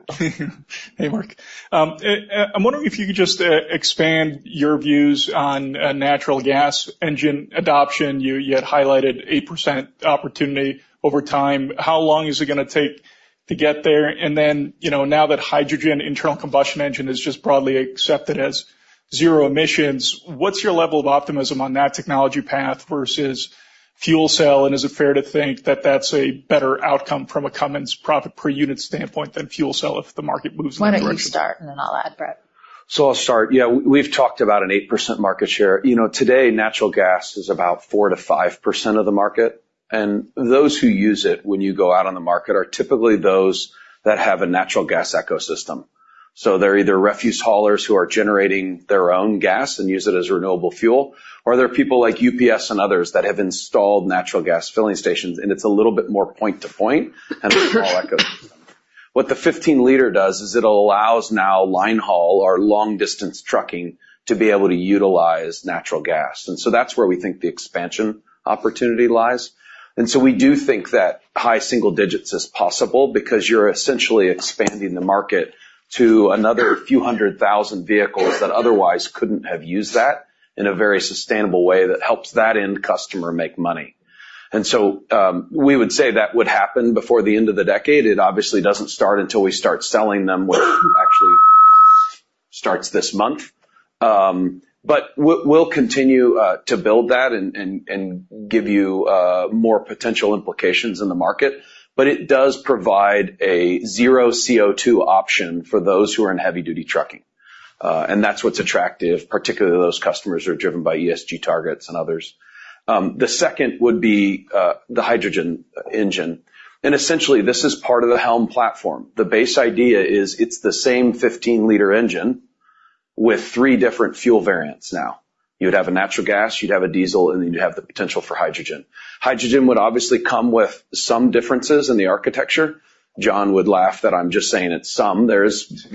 Hey, Mark. I'm wondering if you could just expand your views on natural gas engine adoption. You had highlighted 8% opportunity over time. How long is it gonna take to get there? And then, you know, now that hydrogen internal combustion engine is just broadly accepted as zero emissions, what's your level of optimism on that technology path versus fuel cell, and is it fair to think that that's a better outcome from a Cummins profit per unit standpoint than fuel cell if the market moves in that direction? Why don't you start, and then I'll add, Brett? So I'll start. Yeah, we, we've talked about an 8% market share. You know, today, natural gas is about 4%-5% of the market, and those who use it when you go out on the market are typically those that have a natural gas ecosystem. So they're either refuse haulers who are generating their own gas and use it as renewable fuel, or they're people like UPS and others that have installed natural gas filling stations, and it's a little bit more point to point, and a small ecosystem. What the 15-liter does is it allows now line haul or long distance trucking to be able to utilize natural gas, and so that's where we think the expansion opportunity lies. And so we do think that high single digits is possible because you're essentially expanding the market to another few hundred thousand vehicles that otherwise couldn't have used that in a very sustainable way that helps that end customer make money. And so we would say that would happen before the end of the decade. It obviously doesn't start until we start selling them, which actually starts this month. But we'll continue to build that and give you more potential implications in the market. But it does provide a zero CO2 option for those who are in heavy duty trucking. And that's what's attractive, particularly those customers who are driven by ESG targets and others. The second would be the hydrogen engine. And essentially, this is part of the HELM platform. The base idea is it's the same 15-liter engine with three different fuel variants now. You'd have a natural gas, you'd have a diesel, and then you'd have the potential for hydrogen. Hydrogen would obviously come with some differences in the architecture. John would laugh that I'm just saying it's some. There's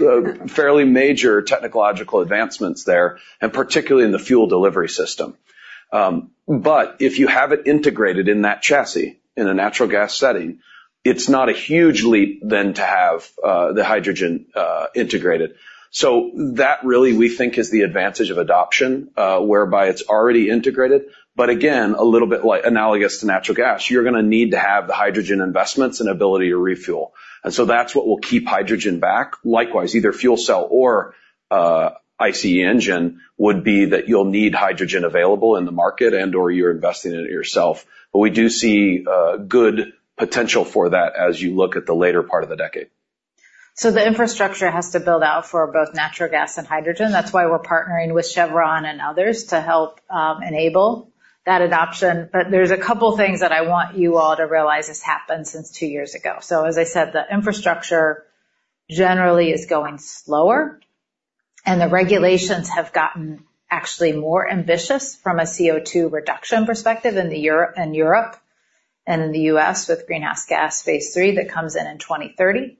fairly major technological advancements there, and particularly in the fuel delivery system. But if you have it integrated in that chassis in a natural gas setting, it's not a huge leap then to have the hydrogen integrated. So that really, we think, is the advantage of adoption, whereby it's already integrated, but again, a little bit like analogous to natural gas. You're gonna need to have the hydrogen investments and ability to refuel. And so that's what will keep hydrogen back. Likewise, either fuel cell or ICE engine would be that you'll need hydrogen available in the market and/or you're investing in it yourself. But we do see good potential for that as you look at the later part of the decade. So the infrastructure has to build out for both natural gas and hydrogen. That's why we're partnering with Chevron and others to help enable that adoption. But there's a couple of things that I want you all to realize has happened since two years ago. So as I said, the infrastructure generally is going slower, and the regulations have gotten actually more ambitious from a CO2 reduction perspective in Europe and in the U.S., with Greenhouse Gas Phase III that comes in in 2030.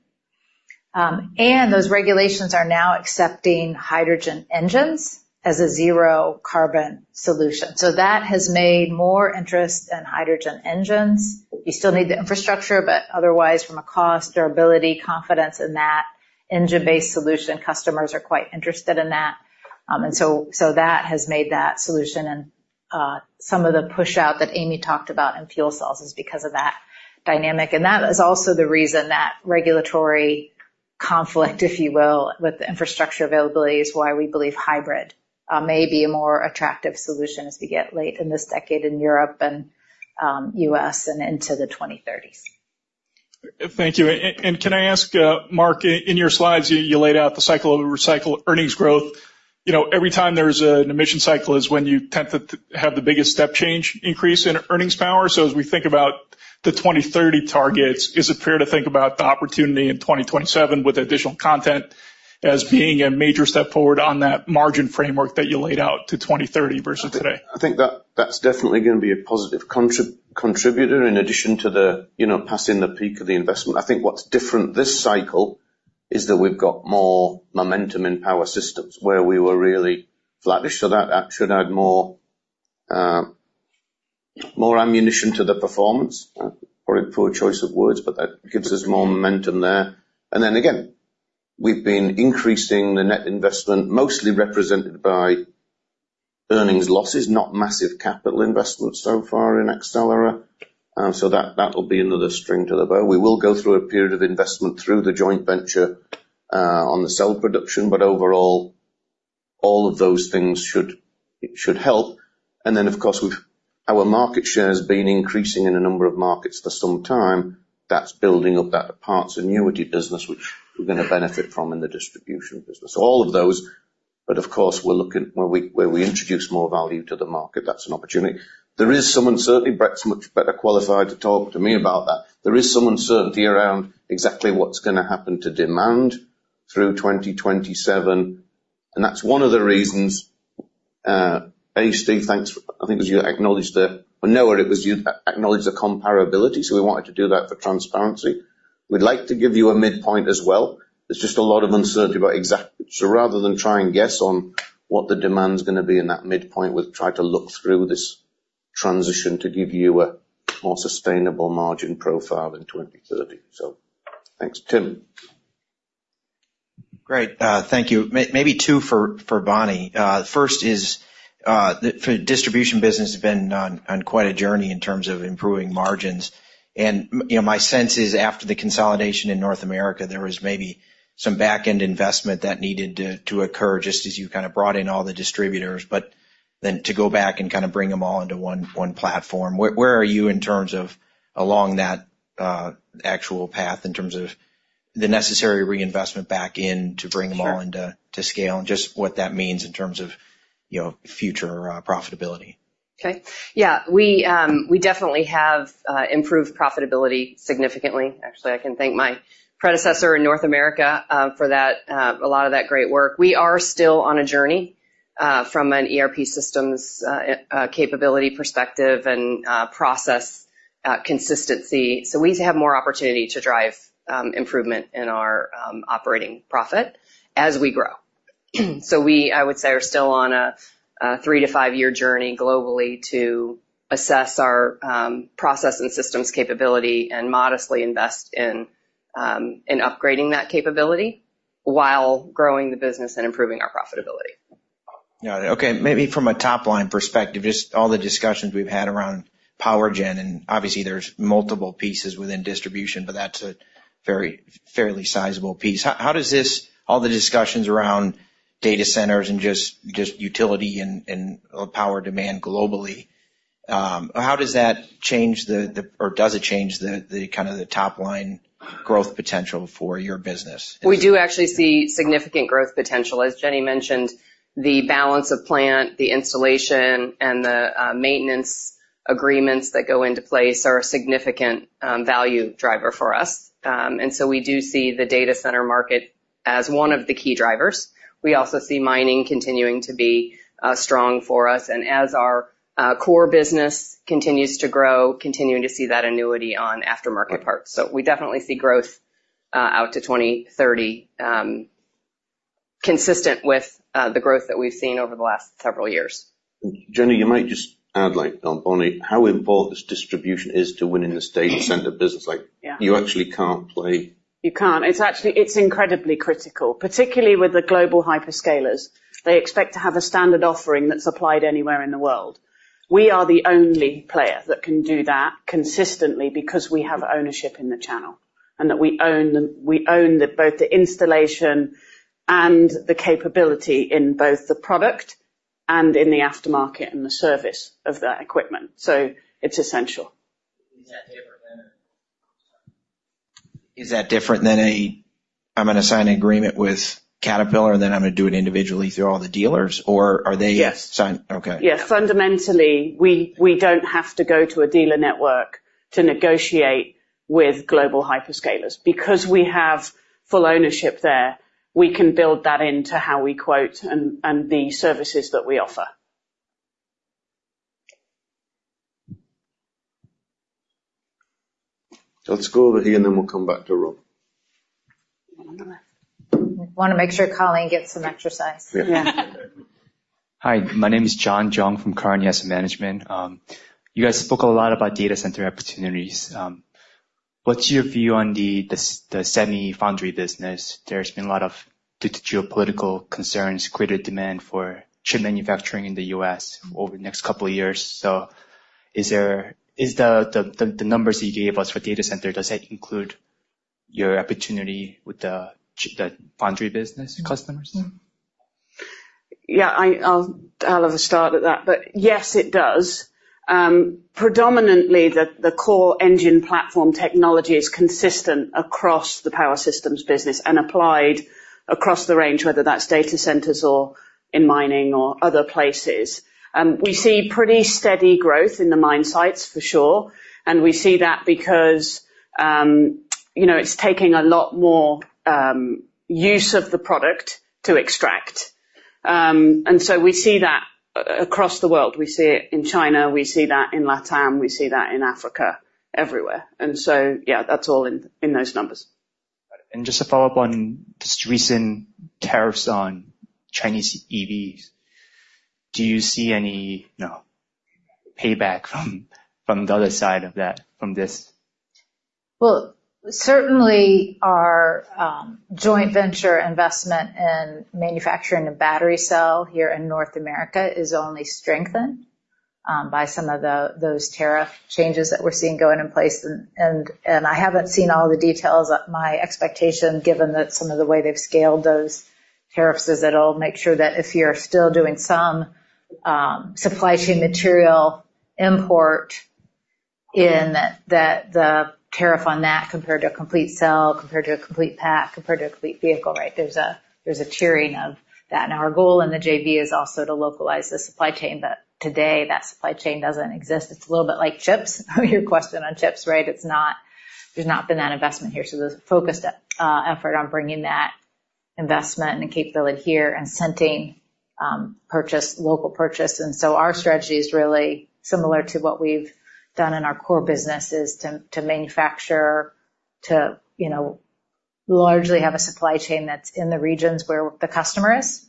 And those regulations are now accepting hydrogen engines as a zero-carbon solution. So that has made more interest in hydrogen engines. You still need the infrastructure, but otherwise, from a cost, durability, confidence in that engine-based solution, customers are quite interested in that. So that has made that solution, and some of the pushout that Amy talked about in fuel cells is because of that dynamic. And that is also the reason that regulatory conflict, if you will, with the infrastructure availability, is why we believe hybrid may be a more attractive solution as we get late in this decade in Europe and U.S. and into the 2030s. Thank you. Can I ask, Mark, in your slides, you laid out the cycle-over-cycle earnings growth. You know, every time there's an emission cycle is when you tend to have the biggest step change increase in earnings power. So as we think about the 2030 targets, is it fair to think about the opportunity in 2027 with additional content as being a major step forward on that margin framework that you laid out to 2030 versus today? I think that that's definitely gonna be a positive contributor in addition to the, you know, passing the peak of the investment. I think what's different this cycle is that we've got more momentum in Power Systems where we were really flattish, so that should add more ammunition to the performance. Probably a poor choice of words, but that gives us more momentum there. And then again, we've been increasing the net investment, mostly represented by earnings losses, not massive capital investments so far in Accelera. And so that will be another string to the bow. We will go through a period of investment through the joint venture on the cell production, but overall, all of those things should help. And then, of course, we've our market share has been increasing in a number of markets for some time. That's building up that parts annuity business, which we're gonna benefit from in the Distribution business. So all of those, but of course, we're looking where we introduce more value to the market, that's an opportunity. There is some uncertainty. Brett's much better qualified to talk to me about that. There is some uncertainty around exactly what's gonna happen to demand through 2027, and that's one of the reasons, hey, Steve, thanks. I think as you acknowledged the--well, no, it was you acknowledged the comparability, so we wanted to do that for transparency. We'd like to give you a midpoint as well. There's just a lot of uncertainty about exactly so rather than try and guess on what the demand's gonna be in that midpoint, we'll try to look through this transition to give you a more sustainable margin profile in 2030. So thanks. Tim? Great, thank you. Maybe two for Bonnie. First is the Distribution business has been on quite a journey in terms of improving margins. And you know, my sense is after the consolidation in North America, there was maybe some back-end investment that needed to occur, just as you kind of brought in all the distributors, but then to go back and kind of bring them all into one platform. Where are you in terms of along that actual path, in terms of the necessary reinvestment back in to bring them all into to scale, and just what that means in terms of, you know, future profitability? Okay. Yeah, we definitely have improved profitability significantly. Actually, I can thank my predecessor in North America, for that, a lot of that great work. We are still on a journey, from an ERP systems, capability perspective and, process, consistency. So we have more opportunity to drive, improvement in our, operating profit as we grow. So we, I would say, are still on a three-five-year journey globally to assess our, process and systems capability and modestly invest in, in upgrading that capability while growing the business and improving our profitability. Got it. Okay, maybe from a top-line perspective, just all the discussions we've had around power gen, and obviously, there's multiple pieces within Distribution, but that's a very fairly sizable piece. How does this, all the discussions around data centers and just utility and power demand globally, how does that change the, or does it change, the kind of the top-line growth potential for your business? We do actually see significant growth potential. As Jenny mentioned, the balance of plant, the installation, and the maintenance agreements that go into place are a significant value driver for us. And so we do see the data center market as one of the key drivers. We also see mining continuing to be strong for us, and as our core business continues to grow, continuing to see that annuity on aftermarket parts. So we definitely see growth out to 2030, consistent with the growth that we've seen over the last several years. Jenny, you might just add, like, on it, how important this Distribution is to winning this data center business. Like, you actually can't play. You can't. It's actually, it's incredibly critical, particularly with the global hyperscalers. They expect to have a standard offering that's applied anywhere in the world. We are the only player that can do that consistently because we have ownership in the channel, and that we own both the installation and the capability in both the product and in the aftermarket and the service of that equipment, so it's essential. Is that different than a, "I'm going to sign an agreement with Caterpillar, and then I'm going to do it individually through all the dealers," or are they? Yes. Signed? Okay. Yeah. Fundamentally, we don't have to go to a dealer network to negotiate with global hyperscalers. Because we have full ownership there, we can build that into how we quote and the services that we offer. Let's go over here, and then we'll come back to Rob. Want to make sure Colleen gets some exercise. Yeah. Hi, my name is John Zhang from Carnegie Management. You guys spoke a lot about data center opportunities. What's your view on the semi foundry business? There's been a lot of geopolitical concerns, greater demand for chip manufacturing in the U.S. over the next couple of years. So, the numbers you gave us for data center, does that include your opportunity with the foundry business customers? Yeah. Yeah, I'll have a start at that, but yes, it does. Predominantly, the core engine platform technology is consistent across the Power Systems business and applied across the range, whether that's data centers or in mining or other places. We see pretty steady growth in the mine sites, for sure, and we see that because, you know, it's taking a lot more use of the product to extract. And so we see that across the world. We see it in China, we see that in LatAm, we see that in Africa, everywhere. And so, yeah, that's all in those numbers. Just a follow-up on just recent tariffs on Chinese EVs. Do you see any, you know, payback from, from the other side of that, from this? Well, certainly our joint venture investment in manufacturing a battery cell here in North America is only strengthened by some of those tariff changes that we're seeing going in place. And I haven't seen all the details. My expectation, given that some of the way they've scaled those tariffs, is that it'll make sure that if you're still doing some supply chain material import in, the tariff on that, compared to a complete cell, compared to a complete pack, compared to a complete vehicle, right? There's a tiering of that. Now, our goal in the JV is also to localize the supply chain, but today, that supply chain doesn't exist. It's a little bit like chips, your question on chips, right? It's not. There's not been that investment here, so there's a focused effort on bringing that investment and the capability here and incenting purchase, local purchase. And so our strategy is really similar to what we've done in our core business, is to manufacture, you know, largely have a supply chain that's in the regions where the customer is.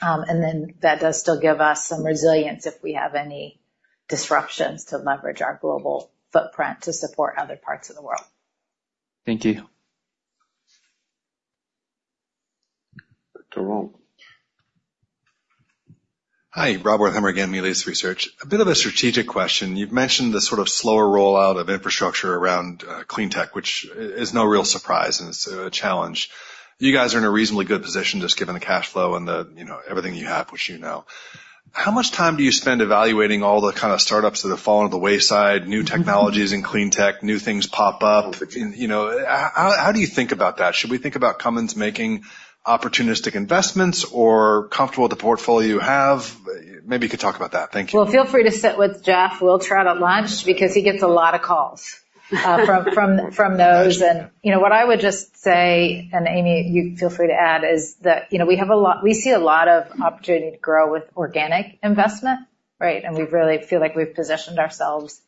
And then that does still give us some resilience if we have any disruptions to leverage our global footprint to support other parts of the world. Thank you. Hi, Rob Wertheimer again, Melius Research. A bit of a strategic question. You've mentioned the sort of slower rollout of infrastructure around clean tech, which is no real surprise, and it's a challenge. You guys are in a reasonably good position, just given the cash flow and the, you know, everything you have, which you know. How much time do you spend evaluating all the kind of startups that have fallen to the wayside, new technologies in clean tech, new things pop up? You know, how, how do you think about that? Should we think about Cummins making opportunistic investments or comfortable with the portfolio you have? Maybe you could talk about that. Thank you. Well, feel free to sit with Jeff Wiltrout on lunch because he gets a lot of calls from those. And, you know, what I would just say, and Amy, you feel free to add, is that, you know, we have a lot—we see a lot of opportunity to grow with organic investment, right? And we really feel like we've positioned ourselves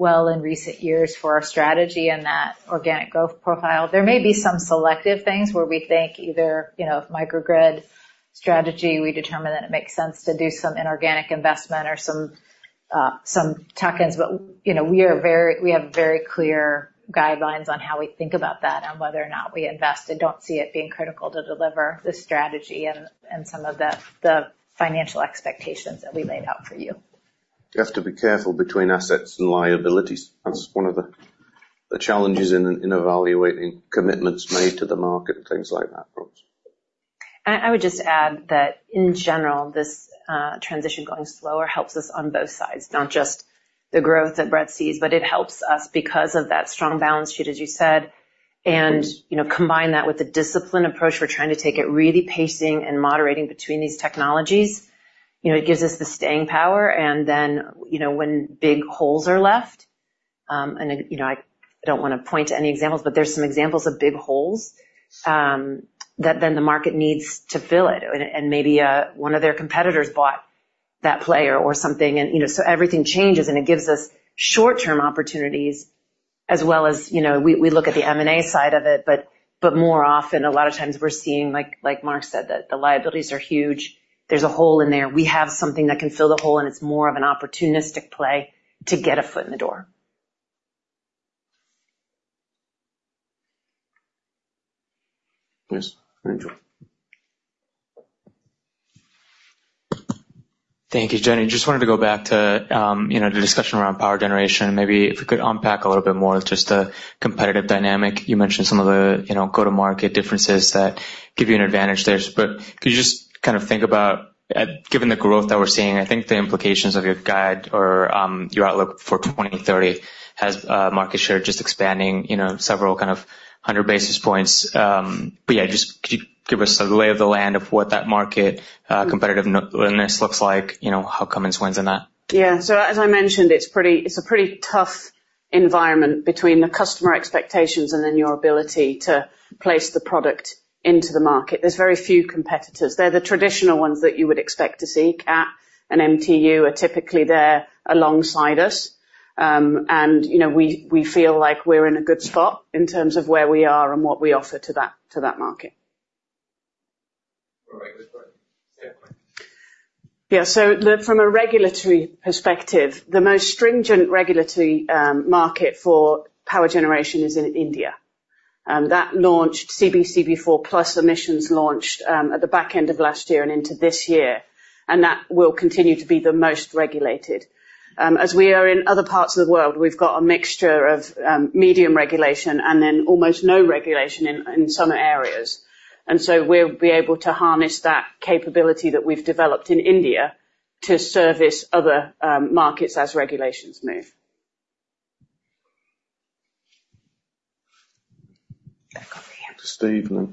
well in recent years for our strategy and that organic growth profile. There may be some selective things where we think either, you know, microgrid strategy, we determine that it makes sense to do some inorganic investment or some tuck-ins. But, you know, we are very, we have very clear guidelines on how we think about that and whether or not we invest, and don't see it being critical to deliver the strategy and, and some of the, the financial expectations that we laid out for you. You have to be careful between assets and liabilities. That's one of the challenges in evaluating commitments made to the market and things like that. I would just add that, in general, this transition going slower helps us on both sides, not just the growth that Brett sees, but it helps us because of that strong balance sheet, as you said. You know, combine that with the disciplined approach we're trying to take, really pacing and moderating between these technologies. You know, it gives us the staying power, and then, you know, when big holes are left, and you know, I don't wanna point to any examples, but there's some examples of big holes that then the market needs to fill it, and maybe one of their competitors bought that player or something. You know, so everything changes, and it gives us short-term opportunities as well as, you know, we look at the M&A side of it, but more often, a lot of times we're seeing, like Mark said, that the liabilities are huge. There's a hole in there. We have something that can fill the hole, and it's more of an opportunistic play to get a foot in the door. Yes, Andrew. Thank you, Jenny. Just wanted to go back to, you know, the discussion around power generation. Maybe if you could unpack a little bit more, just the competitive dynamic. You mentioned some of the, you know, go-to-market differences that give you an advantage there. But could you just kind of think about, given the growth that we're seeing, I think the implications of your guide or, your outlook for 2030 has, market share just expanding, you know, several kind of hundred basis points. But, yeah, just could you give us the lay of the land of what that market, competitiveness looks like? You know, how Cummins wins in that? Yeah. So as I mentioned, it's a pretty tough environment between the customer expectations and then your ability to place the product into the market. There's very few competitors. They're the traditional ones that you would expect to see. Cat and MTU are typically there alongside us. And, you know, we feel like we're in a good spot in terms of where we are and what we offer to that market. All right. Good point. Yeah, so from a regulatory perspective, the most stringent regulatory market for power generation is in India. That launched CPCB IV+ emissions at the back end of last year and into this year, and that will continue to be the most regulated. As we are in other parts of the world, we've got a mixture of medium regulation and then almost no regulation in some areas. And so we'll be able to harness that capability that we've developed in India to service other markets as regulations move. Back over here. Steve?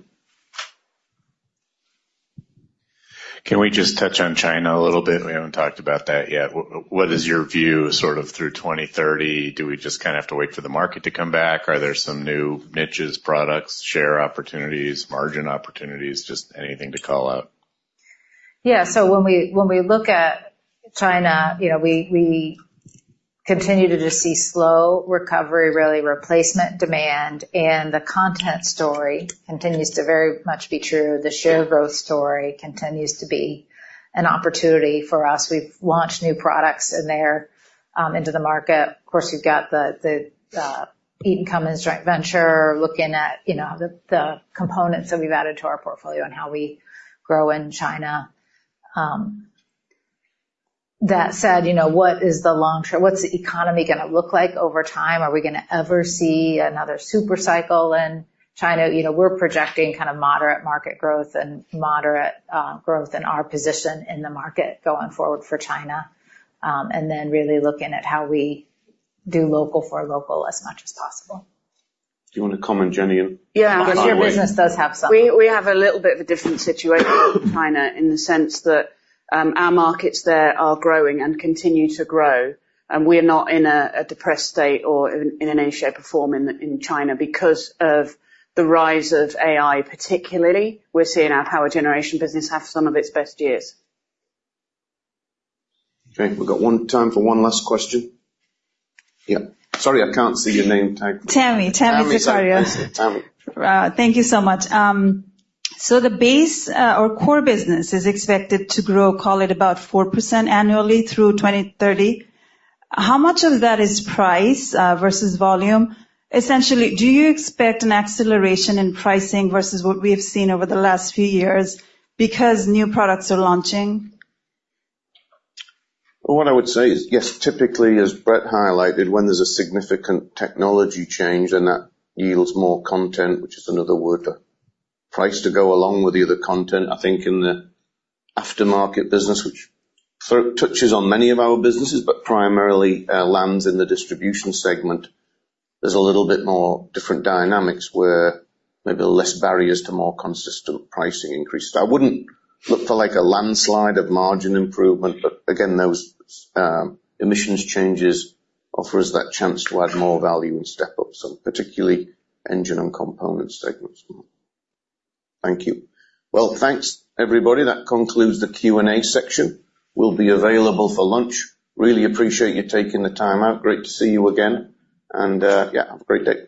Can we just touch on China a little bit? We haven't talked about that yet. What is your view, sort of, through 2030? Do we just kind of have to wait for the market to come back? Are there some new niches, products, share opportunities, margin opportunities, just anything to call out? Yeah. So when we look at China, you know, we continue to just see slow recovery, really replacement demand, and the content story continues to very much be true. The share growth story continues to be an opportunity for us. We've launched new products in there into the market. Of course, you've got the Eaton Cummins joint venture looking at, you know, the components that we've added to our portfolio and how we grow in China. That said, you know, what is the long-term, what's the economy gonna look like over time? Are we gonna ever see another super cycle in China? You know, we're projecting kind of moderate market growth and moderate growth in our position in the market going forward for China, and then really looking at how we do local for local as much as possible. Do you want to comment, Jenny? Yeah, because your business does have some. We have a little bit of a different situation in China in the sense that our markets there are growing and continue to grow, and we are not in a depressed state or in any shape or form in China. Because of the rise of AI, particularly, we're seeing our power generation business have some of its best years. Okay, we've got one, time for one last question. Yeah. Sorry, I can't see your name tag. Tami. Tami Zakaria. Tami. Thank you so much. The base, or core business is expected to grow, call it, about 4% annually through 2030. How much of that is price, versus volume? Essentially, do you expect an acceleration in pricing versus what we have seen over the last few years because new products are launching? What I would say is, yes, typically, as Brett highlighted, when there's a significant technology change, then that yields more content, which is another word, price to go along with the other content. I think in the aftermarket business, which sort of touches on many of our businesses, but primarily, lands in the Distribution segment, there's a little bit more different dynamics where maybe less barriers to more consistent pricing increases. I wouldn't look for like a landslide of margin improvement, but again, those emissions changes offer us that chance to add more value and step up some, particularly engine and component segments. Thank you. Well, thanks, everybody. That concludes the Q&A section. We'll be available for lunch. Really appreciate you taking the time out. Great to see you again, and, yeah, have a great day.